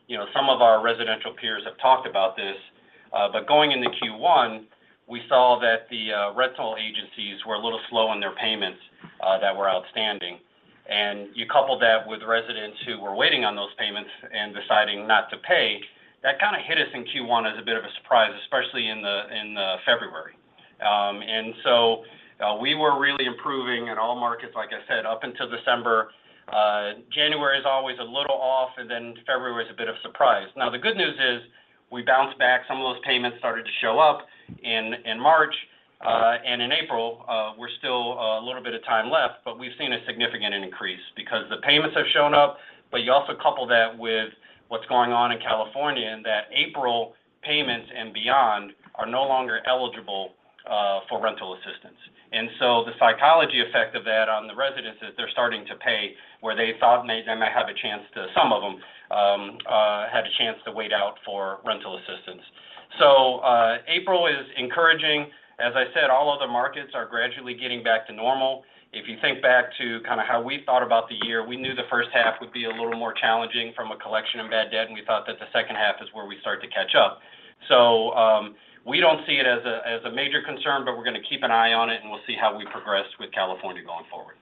You know, some of our residential peers have talked about this, but going into Q1, we saw that the rental agencies were a little slow on their payments that were outstanding. You couple that with residents who were waiting on those payments and deciding not to pay, that kinda hit us in Q1 as a bit of a surprise, especially in February. We were really improving in all markets, like I said, up until December. January is always a little off, and then February is a bit of a surprise. The good news is we bounced back. Some of those payments started to show up in March. In April, we're still a little bit of time left, but we've seen a significant increase because the payments have shown up. You also couple that with what's going on in California, and that April payments and beyond are no longer eligible for rental assistance. The psychological effect of that on the residents is they're starting to pay where they thought they might have a chance to, some of them had a chance to wait out for rental assistance. April is encouraging. As I said, all other markets are gradually getting back to normal. If you think back to kinda how we thought about the year, we knew the first half would be a little more challenging from a collection of bad debt, and we thought that the second half is where we start to catch up. We don't see it as a major concern, but we're gonna keep an eye on it, and we'll see how we progress with California going forward.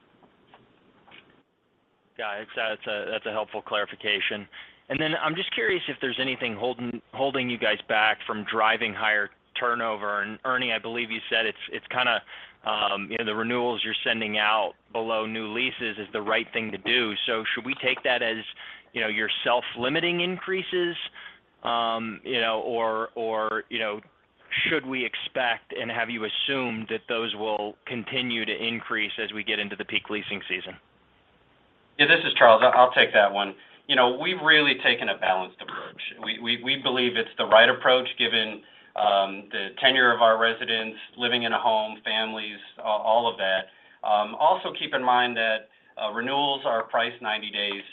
Yeah. That's a helpful clarification. Then I'm just curious if there's anything holding you guys back from driving higher turnover. Ernie, I believe you said it's kinda the renewals you're sending out below new leases is the right thing to do. Should we take that as, you know, your self-limiting increases, you know, or you know, should we expect and have you assumed that those will continue to increase as we get into the peak leasing season? Yeah. This is Charles. I'll take that one. You know, we've really taken a balanced approach. We believe it's the right approach given the tenure of our residents living in a home, families, all of that. Also keep in mind that renewals are priced 90 days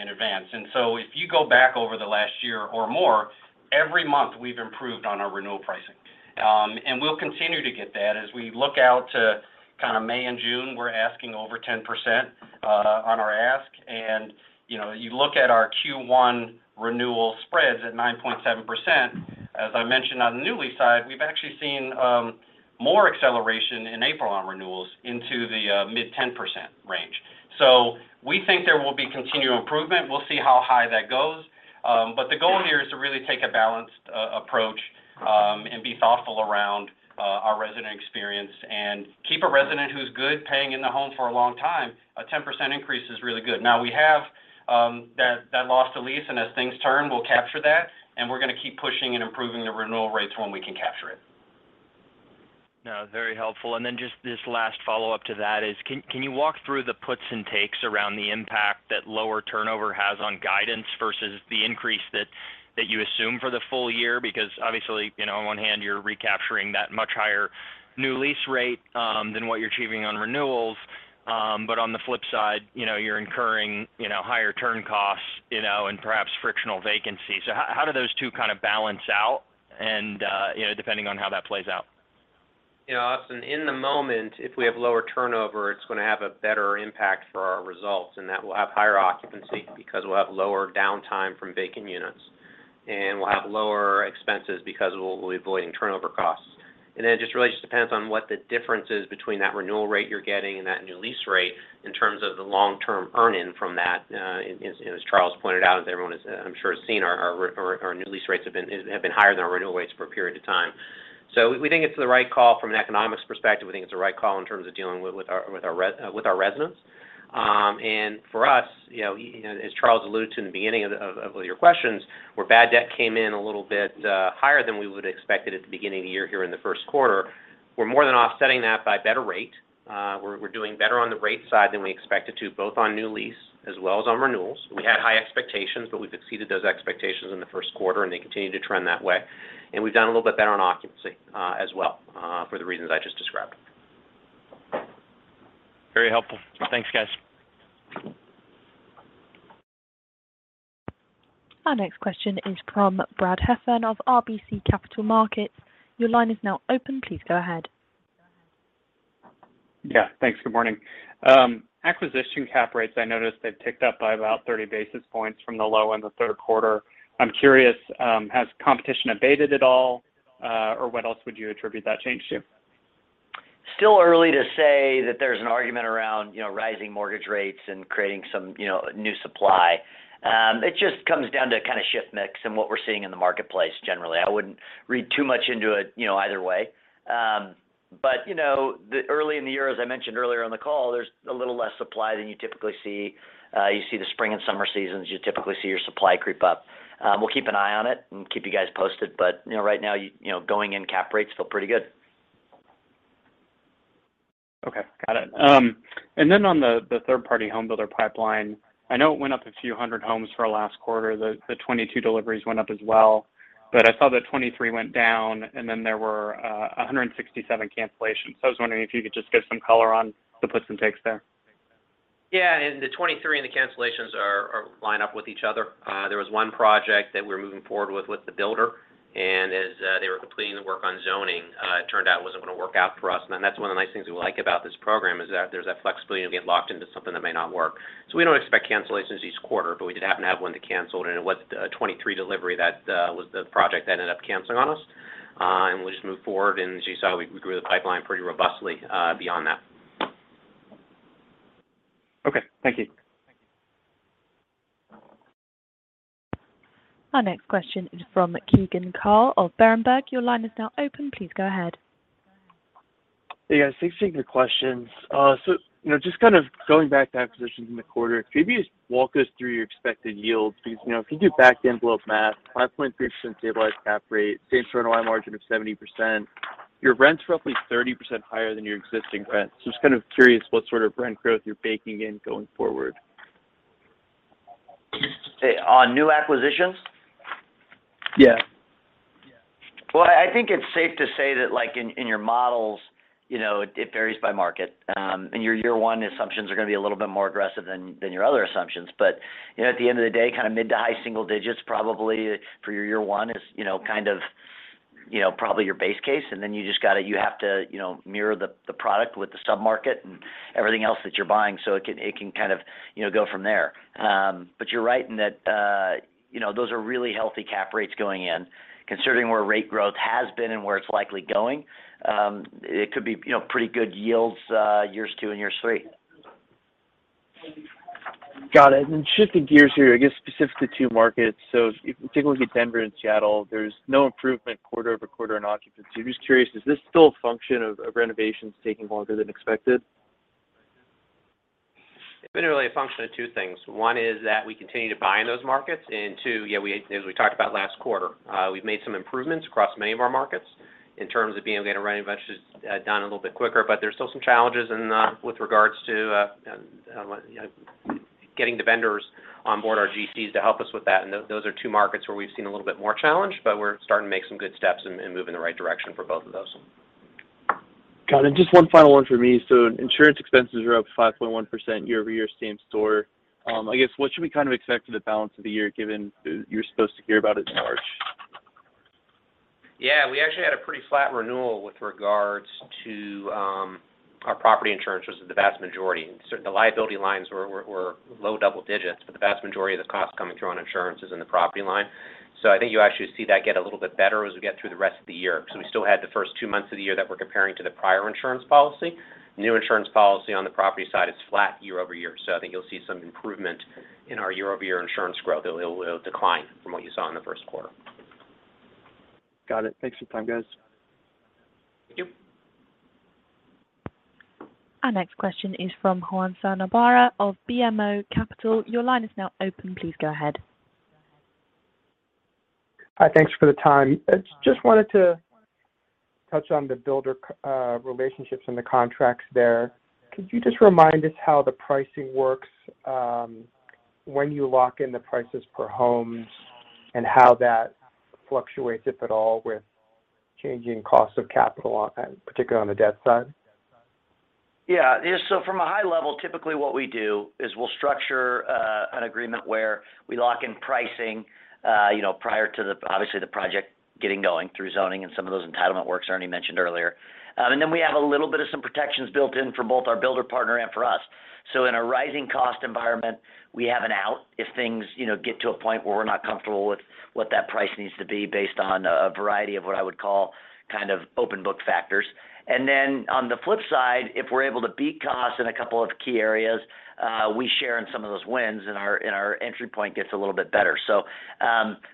in advance. If you go back over the last year or more, every month we've improved on our renewal pricing. We'll continue to get that as we look out to kinda May and June, we're asking over 10% on our ask. You know, you look at our Q1 renewal spreads at 9.7%. As I mentioned on the new lease side, we've actually seen more acceleration in April on renewals into the mid-10% range. We think there will be continued improvement. We'll see how high that goes. The goal here is to really take a balanced approach and be thoughtful around our resident experience and keep a resident who's good-paying in the home for a long time. A 10% increase is really good. Now we have that loss to lease, and as things turn, we'll capture that, and we're gonna keep pushing and improving the renewal rates when we can capture it. No, very helpful. Then just this last follow-up to that is can you walk through the puts and takes around the impact that lower turnover has on guidance versus the increase that you assume for the full year? Because obviously, you know, on one hand you're recapturing that much higher new lease rate than what you're achieving on renewals. On the flip side, you know, you're incurring, you know, higher turn costs, you know, and perhaps frictional vacancy. How do those two kind of balance out and, you know, depending on how that plays out? You know, Austin, in the moment, if we have lower turnover, it's gonna have a better impact for our results, and that we'll have higher occupancy because we'll have lower downtime from vacant units. We'll have lower expenses because we'll be avoiding turnover costs. It really depends on what the difference is between that renewal rate you're getting and that new lease rate in terms of the long-term earning from that. As Charles pointed out, as everyone has, I'm sure has seen our new lease rates have been higher than our renewal rates for a period of time. We think it's the right call from an economics perspective. We think it's the right call in terms of dealing with our residents. For us, you know, as Charles alluded to in the beginning of your questions, where bad debt came in a little bit higher than we would've expected at the beginning of the year here in the first quarter, we're more than offsetting that by better rate. We're doing better on the rate side than we expected to, both on new lease as well as on renewals. We had high expectations, but we've exceeded those expectations in the first quarter, and they continue to trend that way. We've done a little bit better on occupancy as well, for the reasons I just described. Very helpful. Thanks, guys. Our next question is from Brad Heffern of RBC Capital Markets. Your line is now open. Please go ahead. Yeah. Thanks. Good morning. Acquisition cap rates, I noticed they've ticked up by about 30 basis points from the low in the third quarter. I'm curious, has competition abated at all, or what else would you attribute that change to? Still early to say that there's an argument around, you know, rising mortgage rates and creating some, you know, new supply. It just comes down to kinda shift mix and what we're seeing in the marketplace generally. I wouldn't read too much into it, you know, either way. You know, the early in the year, as I mentioned earlier on the call, there's a little less supply than you typically see. You see the spring and summer seasons, you typically see your supply creep up. We'll keep an eye on it and keep you guys posted. You know, right now, you know, going in cap rates feel pretty good. Okay. Got it. On the third-party home builder pipeline, I know it went up a few hundred homes for our last quarter. The 2022 deliveries went up as well, but I saw that 2023 went down, and then there were 167 cancellations. I was wondering if you could just give some color on the puts and takes there. Yeah. The 2023 and the cancellations are lined up with each other. There was one project that we're moving forward with the builder. As they were completing the work on zoning, it turned out it wasn't gonna work out for us. That's one of the nice things we like about this program is that there's that flexibility to get locked into something that may not work. We don't expect cancellations each quarter, but we did happen to have one that canceled, and it was 2023 delivery that was the project that ended up canceling on us. We'll just move forward. As you saw, we grew the pipeline pretty robustly beyond that. Okay. Thank you. Our next question is from Keegan Carl of Berenberg. Your line is now open. Please go ahead. Hey, guys. Thanks for taking the questions. You know, just kind of going back to acquisitions in the quarter, could you just walk us through your expected yields? Because, you know, if you do back-end loaded math, 5.3% stabilized cap rate, same turnover margin of 70%, your rents roughly 30% higher than your existing rents. Just kind of curious what sort of rent growth you're baking in going forward. On new acquisitions? Yeah. Well, I think it's safe to say that, like, in your models, you know, it varies by market. Your year one assumptions are gonna be a little bit more aggressive than your other assumptions. You know, at the end of the day, kinda mid to high single digits probably for your year one is, you know, kind of, you know, probably your base case. You have to, you know, mirror the product with the sub-market and everything else that you're buying, so it can kind of, you know, go from there. You're right in that, you know, those are really healthy cap rates going in. Considering where rent growth has been and where it's likely going, it could be, you know, pretty good yields, years two and year three. Got it. Shifting gears here, I guess specifically to markets. If you take a look at Denver and Seattle, there's no improvement quarter-over-quarter in occupancy. I'm just curious, is this still a function of renovations taking longer than expected? Been really a function of two things. One is that we continue to buy in those markets. Two, yeah, as we talked about last quarter, we've made some improvements across many of our markets in terms of being able to get our renovations done a little bit quicker. But there's still some challenges with regards to, you know, getting the vendors on board our GCs to help us with that. Those are two markets where we've seen a little bit more challenge, but we're starting to make some good steps and move in the right direction for both of those. Got it. Just one final one for me. Insurance expenses are up 5.1% year-over-year same store. I guess what should we kind of expect for the balance of the year given you're supposed to hear about it in March? Yeah. We actually had a pretty flat renewal with regards to our property insurance, which is the vast majority. The liability lines were low double digits, but the vast majority of the cost coming through on insurance is in the property line. I think you'll actually see that get a little bit better as we get through the rest of the year, 'cause we still had the first two months of the year that we're comparing to the prior insurance policy. New insurance policy on the property side is flat year-over-year. I think you'll see some improvement in our year-over-year insurance growth. It'll decline from what you saw in the first quarter. Got it. Thanks for your time, guys. Thank you. Our next question is from Juan Sanabria of BMO Capital Markets. Your line is now open. Please go ahead. Hi. Thanks for the time. I just wanted to touch on the builder relationships and the contracts there. Could you just remind us how the pricing works, when you lock in the prices per homes and how that fluctuates, if at all, with changing costs of capital, particularly on the debt side? Yeah. From a high level, typically what we do is we'll structure an agreement where we lock in pricing, you know, prior to the, obviously the project getting going through zoning and some of those entitlement works Ernie mentioned earlier. And then we have a little bit of some protections built in for both our builder partner and for us. In a rising cost environment, we have an out if things, you know, get to a point where we're not comfortable with what that price needs to be based on a variety of what I would call kind of open book factors. And then on the flip side, if we're able to beat costs in a couple of key areas, we share in some of those wins, and our entry point gets a little bit better.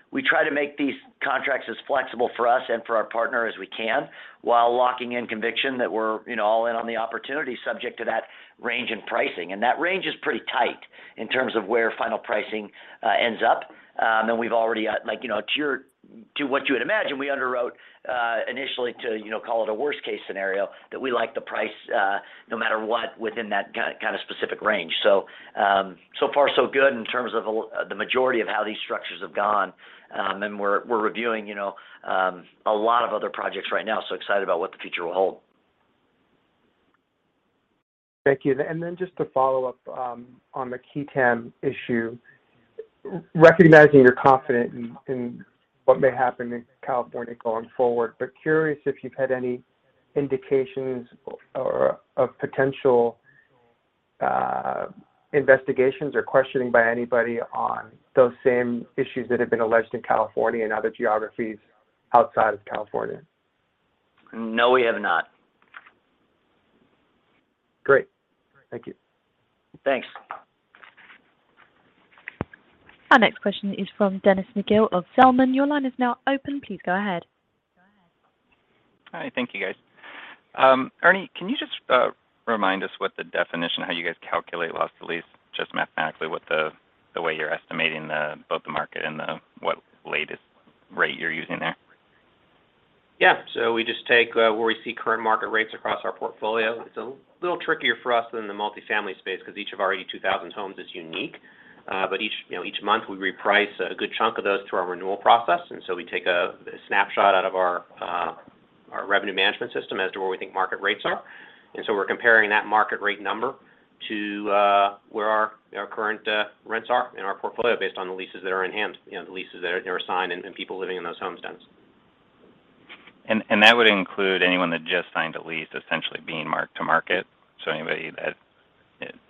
We try to make these contracts as flexible for us and for our partner as we can while locking in conviction that we're, you know, all in on the opportunity subject to that range in pricing. That range is pretty tight in terms of where final pricing ends up. We've already, like, you know, to your to what you would imagine, we underwrote initially to, you know, call it a worst case scenario that we like the price no matter what within that kind of specific range. So far so good in terms of the majority of how these structures have gone. We're reviewing, you know, a lot of other projects right now, so excited about what the future will hold. Thank you. Just to follow up on the qui tam issue. Recognizing you're confident in what may happen in California going forward, but curious if you've had any indications or of potential investigations or questioning by anybody on those same issues that have been alleged in California and other geographies outside of California. No, we have not. Great. Thank you. Thanks. Our next question is from Dennis McGill of Zelman. Your line is now open. Please go ahead. Hi. Thank you, guys. Ernie, can you just remind us what the definition is, how you guys calculate loss to lease, just mathematically what the way you're estimating both the market and the what latest rate you're using there? Yeah. We just take where we see current market rates across our portfolio. It's a little trickier for us than the multifamily space because each of our 2,000 homes is unique. Each month we reprice a good chunk of those through our renewal process, and we take a snapshot out of our revenue management system as to where we think market rates are. We're comparing that market rate number to where our current rents are in our portfolio based on the leases that are in hand, you know, the leases that are signed and people living in those homes then. that would include anyone that just signed a lease essentially being marked to market? Anybody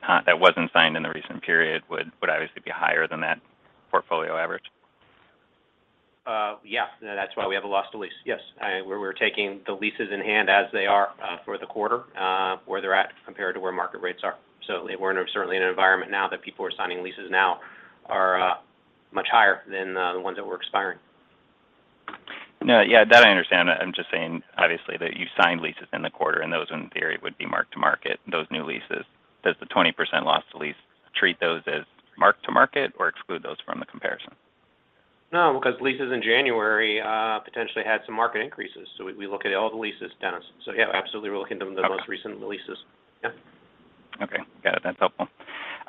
that wasn't signed in the recent period would obviously be higher than that portfolio average. Yeah. That's why we have a loss to lease. Yes. We're taking the leases in hand as they are for the quarter, where they're at compared to where market rates are. We're certainly in an environment now that people who are signing leases now are much higher than the ones that were expiring. No, yeah. That I understand. I'm just saying obviously that you signed leases in the quarter, and those in theory would be mark to market, those new leases. Does the 20% loss to lease treat those as mark to market or exclude those? No, because leases in January potentially had some market increases. We look at all the leases, Dennis. Yeah, absolutely. We're looking at the most recent leases. Yeah. Okay. Got it. That's helpful.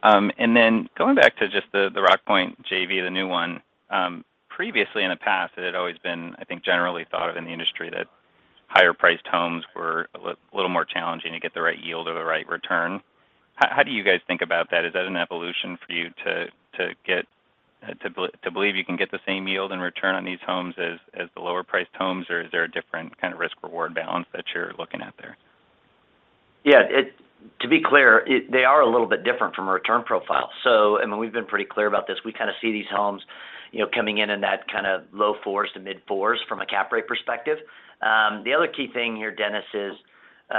Then going back to just the Rockpoint JV, the new one, previously in the past, it had always been, I think, generally thought of in the industry that higher priced homes were a little more challenging to get the right yield or the right return. How do you guys think about that? Is that an evolution for you to believe you can get the same yield and return on these homes as the lower priced homes? Or is there a different kind of risk-reward balance that you're looking at there? Yeah. To be clear, they are a little bit different from a return profile. I mean, we've been pretty clear about this. We kind of see these homes, you know, coming in in that kind of low 4s-mid 4s from a cap rate perspective. The other key thing here, Dennis, is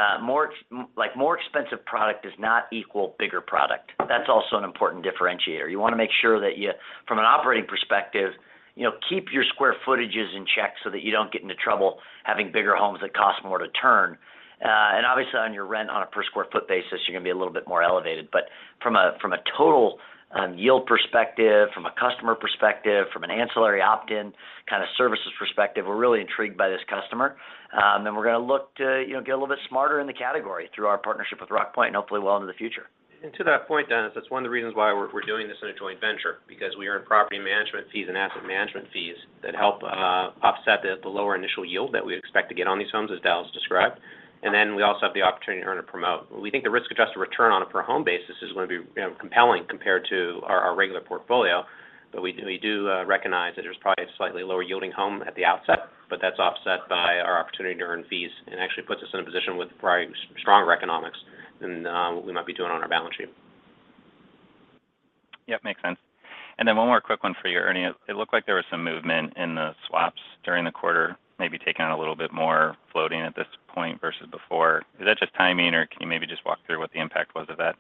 like, more expensive product does not equal bigger product. That's also an important differentiator. You wanna make sure that you, from an operating perspective, you know, keep your square footages in check so that you don't get into trouble having bigger homes that cost more to turn. Obviously on your rent on a per square foot basis, you're gonna be a little bit more elevated. From a total yield perspective, from a customer perspective, from an ancillary opt-in kind of services perspective, we're really intrigued by this customer. We're gonna look to, you know, get a little bit smarter in the category through our partnership with Rockpoint and hopefully well into the future. To that point, Dennis, that's one of the reasons why we're doing this in a joint venture, because we earn property management fees and asset management fees that help offset the lower initial yield that we expect to get on these homes, as Dallas described. Then we also have the opportunity to earn and promote. We think the risk-adjusted return on a per home basis is gonna be compelling compared to our regular portfolio. We do recognize that there's probably a slightly lower yielding home at the outset, but that's offset by our opportunity to earn fees and actually puts us in a position with probably stronger economics than what we might be doing on our balance sheet. Yep, makes sense. One more quick one for you, Ernie. It looked like there was some movement in the swaps during the quarter, maybe taking on a little bit more floating at this point versus before. Is that just timing, or can you maybe just walk through what the impact was of that?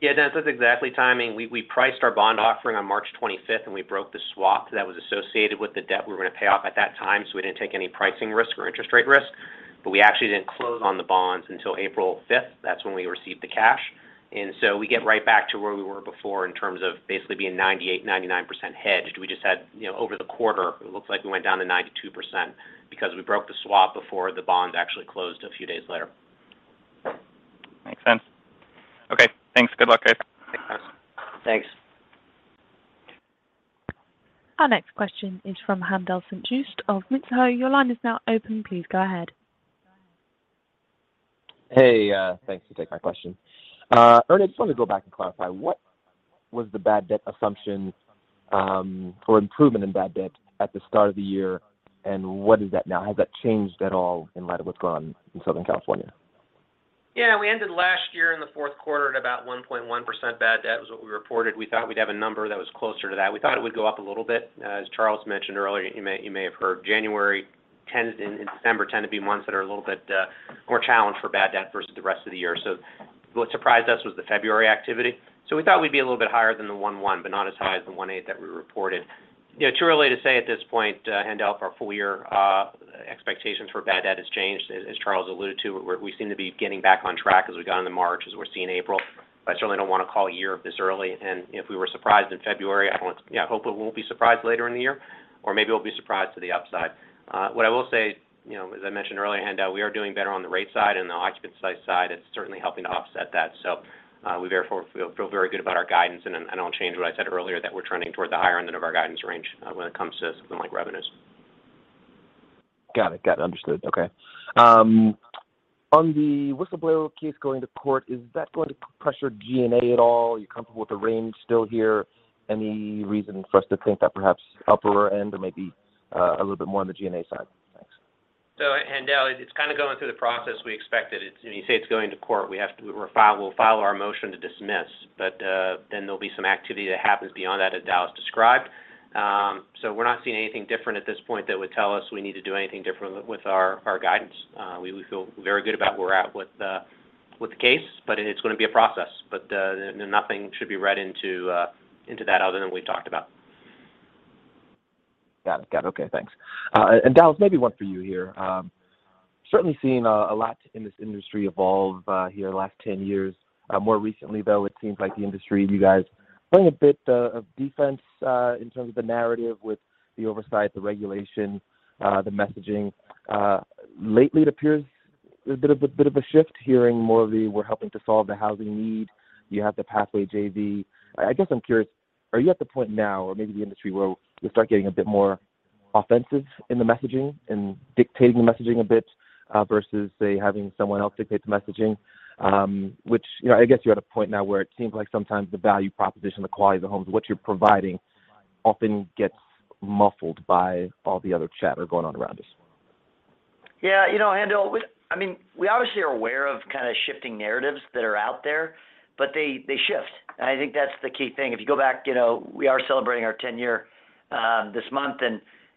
Yeah, Dennis, that's exactly timing. We priced our bond offering on March 25, and we broke the swap that was associated with the debt we were gonna pay off at that time, so we didn't take any pricing risk or interest rate risk. We actually didn't close on the bonds until April 5. That's when we received the cash. We get right back to where we were before in terms of basically being 98%-99% hedged. We just had, you know, over the quarter, it looks like we went down to 92% because we broke the swap before the bond actually closed a few days later. Makes sense. Okay, thanks. Good luck, guys. Thanks. Thanks. Our next question is from Haendel St. Juste of Mizuho. Your line is now open. Please go ahead. Hey, thanks for taking my question. Ernie, just wanted to go back and clarify, what was the bad debt assumption for improvement in bad debt at the start of the year, and what is that now? Has that changed at all in light of what's gone on in Southern California? Yeah, we ended last year in the fourth quarter at about 1.1% bad debt was what we reported. We thought we'd have a number that was closer to that. We thought it would go up a little bit. As Charles mentioned earlier, you may have heard January tends and December tend to be months that are a little bit more challenged for bad debt versus the rest of the year. What surprised us was the February activity. We thought we'd be a little bit higher than the 1.1, but not as high as the 1.8 that we reported. You know, too early to say at this point, Haendel, if our full year expectations for bad debt has changed. As Charles alluded to, we seem to be getting back on track as we've gone into March, as we're seeing April. I certainly don't wanna call a year this early. If we were surprised in February, I don't want you know, hopefully, we won't be surprised later in the year. Maybe we'll be surprised to the upside. What I will say, you know, as I mentioned earlier, Haendel, we are doing better on the rate side and the occupancy side. It's certainly helping to offset that. We therefore feel very good about our guidance and I'll change what I said earlier that we're trending toward the higher end of our guidance range when it comes to something like revenues. Got it. Understood. Okay. On the whistleblower case going to court, is that going to pressure G&A at all? Are you comfortable with the range still here? Any reason for us to think that perhaps upper end or maybe a little bit more on the G&A side? Thanks. Haendel, it's kind of going through the process we expected. When you say it's going to court, we'll file our motion to dismiss. Then there'll be some activity that happens beyond that as Dallas described. We're not seeing anything different at this point that would tell us we need to do anything different with our guidance. We feel very good about where we're at with the case, but it's gonna be a process. Nothing should be read into that other than what we've talked about. Got it. Okay, thanks. Dallas, maybe one for you here. Certainly seeing a lot in this industry evolve over the last 10 years. More recently, though, it seems like the industry, you guys playing a bit of defense in terms of the narrative with the oversight, the regulation, the messaging. Lately, it appears there's a bit of a shift hearing more of the we're helping to solve the housing need. You have the Pathway JV. I guess I'm curious, are you at the point now or maybe the industry where we start getting a bit more offensive in the messaging and dictating the messaging a bit versus, say, having someone else dictate the messaging? Which, you know, I guess you're at a point now where it seems like sometimes the value proposition, the quality of the homes, what you're providing often gets muffled by all the other chatter going on around us. Yeah. You know, Haendel, I mean, we obviously are aware of kind of shifting narratives that are out there, but they shift, and I think that's the key thing. If you go back, you know, we are celebrating our 10-year this month.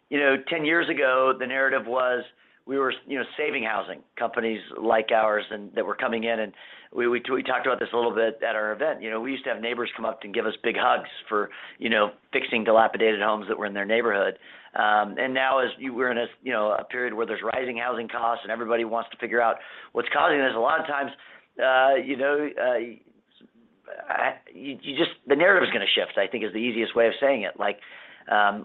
You know, 10 years ago, the narrative was we were, you know, saving housing, companies like ours and that were coming in. We talked about this a little bit at our event. You know, we used to have neighbors come up to give us big hugs for, you know, fixing dilapidated homes that were in their neighborhood. Now we're in a, you know, a period where there's rising housing costs and everybody wants to figure out what's causing this. A lot of times, you know, the narrative is gonna shift, I think is the easiest way of saying it. Like,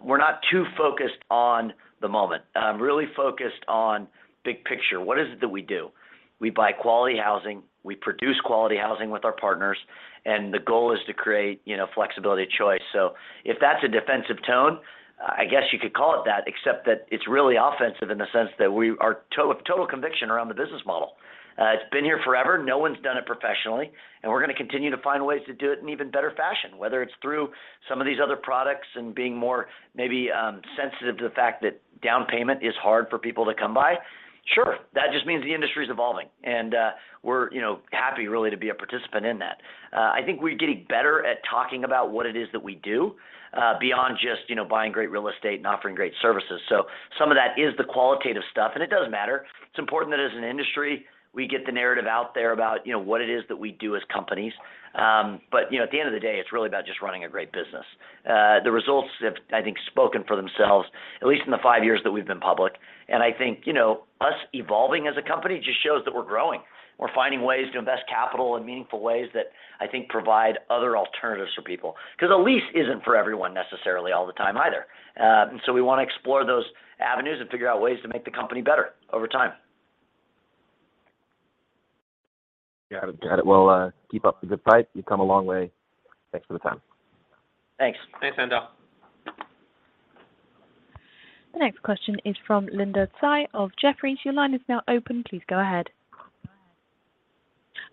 we're not too focused on the moment. I'm really focused on big picture. What is it that we do? We buy quality housing, we produce quality housing with our partners, and the goal is to create, you know, flexibility of choice. If that's a defensive tone, I guess you could call it that, except that it's really offensive in the sense that we are total conviction around the business model. It's been here forever, no one's done it professionally, and we're gonna continue to find ways to do it in even better fashion, whether it's through some of these other products and being more maybe, sensitive to the fact that down payment is hard for people to come by. Sure, that just means the industry is evolving, and we're, you know, happy really to be a participant in that. I think we're getting better at talking about what it is that we do, beyond just, you know, buying great real estate and offering great services. Some of that is the qualitative stuff, and it does matter. It's important that as an industry, we get the narrative out there about, you know, what it is that we do as companies. You know, at the end of the day, it's really about just running a great business. The results have, I think, spoken for themselves, at least in the five years that we've been public. I think, you know, us evolving as a company just shows that we're growing. We're finding ways to invest capital in meaningful ways that I think provide other alternatives for people. Because a lease isn't for everyone necessarily all the time either. We wanna explore those avenues and figure out ways to make the company better over time. Got it. Well, keep up the good fight. You've come a long way. Thanks for the time. Thanks. Thanks, Haendel St. Juste. The next question is from Linda Tsai of Jefferies. Your line is now open. Please go ahead.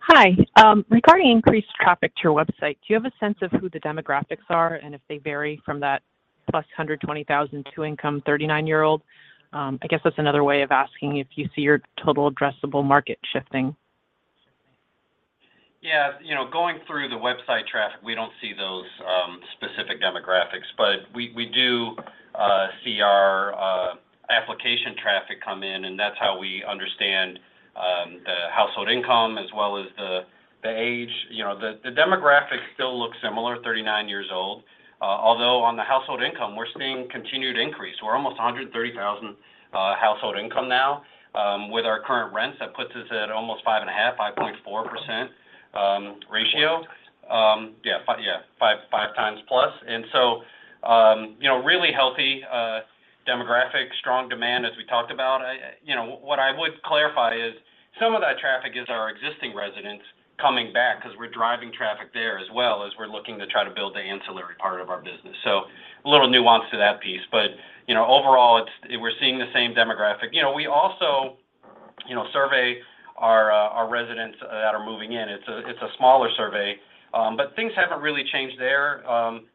Hi. Regarding increased traffic to your website, do you have a sense of who the demographics are and if they vary from that +120,000 two-income 39-year-old? I guess that's another way of asking if you see your total addressable market shifting. Yeah. You know, going through the website traffic, we don't see those specific demographics, but we do see our application traffic come in, and that's how we understand the household income as well as the age. You know, the demographics still look similar, 39 years old, although on the household income, we're seeing continued increase. We're almost $130,000 household income now. With our current rents, that puts us at almost 5.4% ratio. Yeah, 5x plus. You know, really healthy demographic, strong demand, as we talked about. You know, what I would clarify is some of that traffic is our existing residents coming back because we're driving traffic there as well as we're looking to try to build the ancillary part of our business. A little nuance to that piece. You know, overall, it's. We're seeing the same demographic. You know, we also, you know, survey our residents that are moving in. It's a smaller survey, but things haven't really changed there,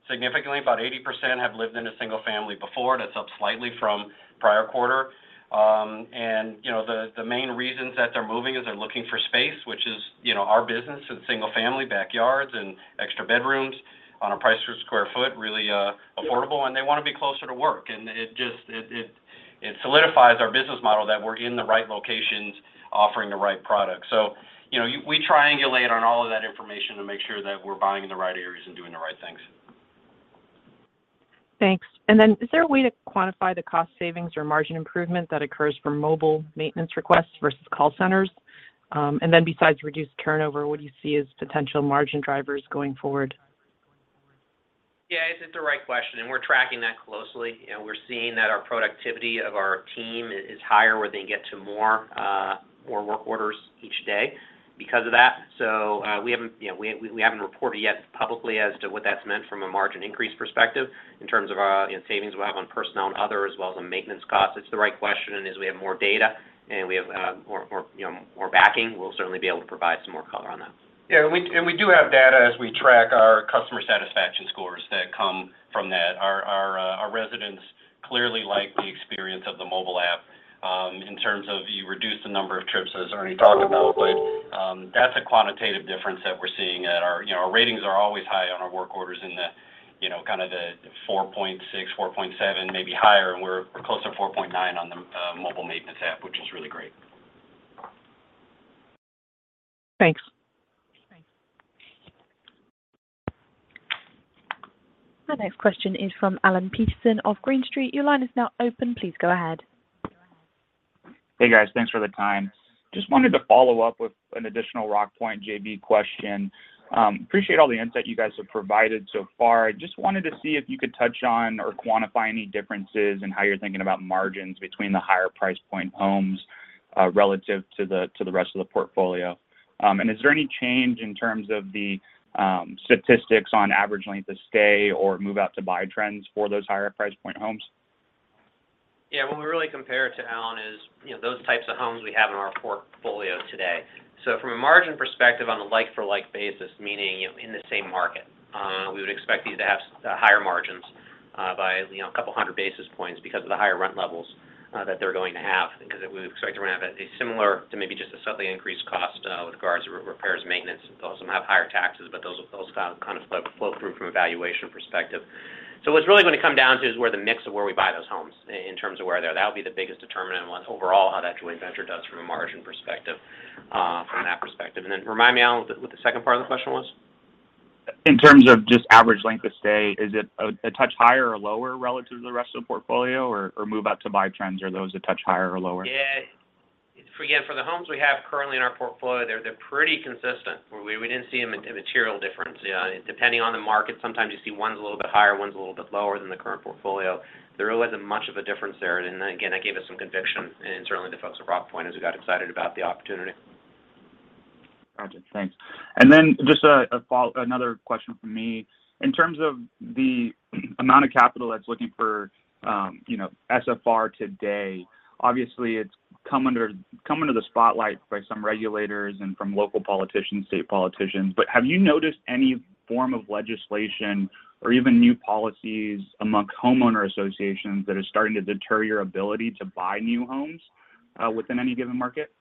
significantly. About 80% have lived in a single family before. That's up slightly from prior quarter. You know, the main reasons that they're moving is they're looking for space, which is, you know, our business and single-family backyards and extra bedrooms on a price per square foot, really, affordable, and they wanna be closer to work. It just solidifies our business model that we're in the right locations offering the right product. You know, we triangulate on all of that information to make sure that we're buying in the right areas and doing the right things. Thanks. Is there a way to quantify the cost savings or margin improvement that occurs for mobile maintenance requests versus call centers? Besides reduced turnover, what do you see as potential margin drivers going forward? Yeah. It's the right question, and we're tracking that closely. We're seeing that our productivity of our team is higher where they can get to more work orders each day because of that. We haven't, you know, reported yet publicly as to what that's meant from a margin increase perspective in terms of, you know, savings we have on personnel and other, as well as on maintenance costs. It's the right question, and as we have more data and we have more backing, we'll certainly be able to provide some more color on that. Yeah. We do have data as we track our customer satisfaction scores that come from that. Our residents clearly like the experience of the mobile app, in terms of you reduce the number of trips, as Ernie talked about. That's a quantitative difference that we're seeing. You know, our ratings are always high on our work orders in the, you know, kind of the 4.6, 4.7, maybe higher, and we're close to 4.9 on the mobile maintenance app, which is really great. Thanks. The next question is from Alan Peterson of Green Street. Your line is now open. Please go ahead. Hey, guys. Thanks for the time. Just wanted to follow up with an additional Rockpoint JV question. Appreciate all the insight you guys have provided so far. I just wanted to see if you could touch on or quantify any differences in how you're thinking about margins between the higher price point homes relative to the rest of the portfolio. Is there any change in terms of the statistics on average length of stay or move-out to buy trends for those higher price point homes? Yeah. What we really compare it to, Alan, is, you know, those types of homes we have in our portfolio today. From a margin perspective on a like for like basis, meaning in the same market, we would expect these to have higher margins, by, you know, 200 basis points because of the higher rent levels, that they're going to have because we expect to have a similar to maybe just a slightly increased cost, with regards to repairs and maintenance. Those will have higher taxes, but those kind of flow through from a valuation perspective. What's really gonna come down to is where the mix of where we buy those homes in terms of where they are. That'll be the biggest determinant on overall how that joint venture does from a margin perspective, from that perspective. Remind me, Alan, what the second part of the question was. In terms of just average length of stay, is it a touch higher or lower relative to the rest of the portfolio or move-out to buy trends? Are those a touch higher or lower? Again, for the homes we have currently in our portfolio, they're pretty consistent. We didn't see a material difference. Depending on the market, sometimes you see one's a little bit higher, one's a little bit lower than the current portfolio. There really wasn't much of a difference there. Again, that gave us some conviction, and certainly the folks at Rockpoint as we got excited about the opportunity. Gotcha. Thanks. Just another question from me. In terms of the amount of capital that's looking for SFR today, obviously it's come into the spotlight by some regulators and from local politicians, state politicians. Have you noticed any form of legislation or even new policies amongst homeowner associations that are starting to deter your ability to buy new homes within any given market?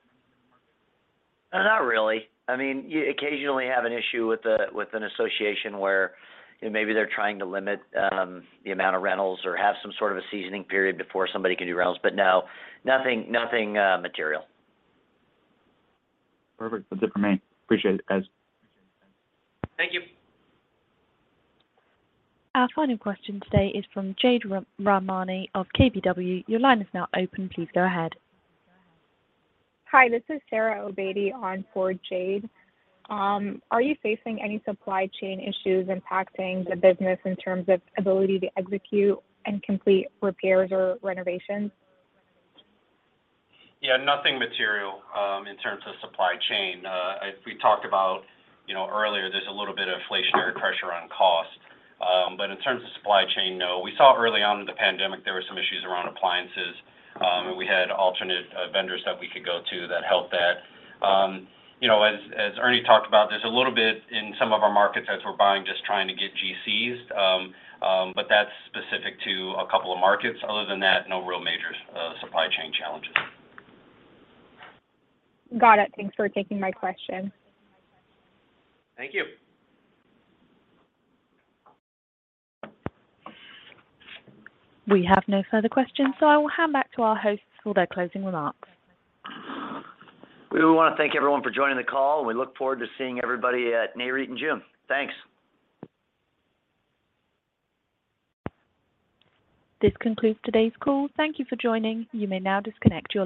Not really. I mean, you occasionally have an issue with an association where, you know, maybe they're trying to limit the amount of rentals or have some sort of a seasoning period before somebody can do rentals. But no, nothing material. Perfect. That's it for me. Appreciate it, guys. Thank you. Our final question today is from Jade Rahmani of KBW. Your line is now open. Please go ahead. Hi, this is Sarah Obaidi on for Jade. Are you facing any supply chain issues impacting the business in terms of ability to execute and complete repairs or renovations? Yeah, nothing material in terms of supply chain. As we talked about, you know, earlier, there's a little bit of inflationary pressure on cost. But in terms of supply chain, no. We saw early on in the pandemic there were some issues around appliances, and we had alternate vendors that we could go to that helped that. You know, as Ernie talked about, there's a little bit in some of our markets as we're buying just trying to get GCs. But that's specific to a couple of markets. Other than that, no real major supply chain challenges. Got it. Thanks for taking my question. Thank you. We have no further questions, so I will hand back to our hosts for their closing remarks. We wanna thank everyone for joining the call, and we look forward to seeing everybody at Nareit in June. Thanks. This concludes today's call. Thank you for joining. You may now disconnect your lines.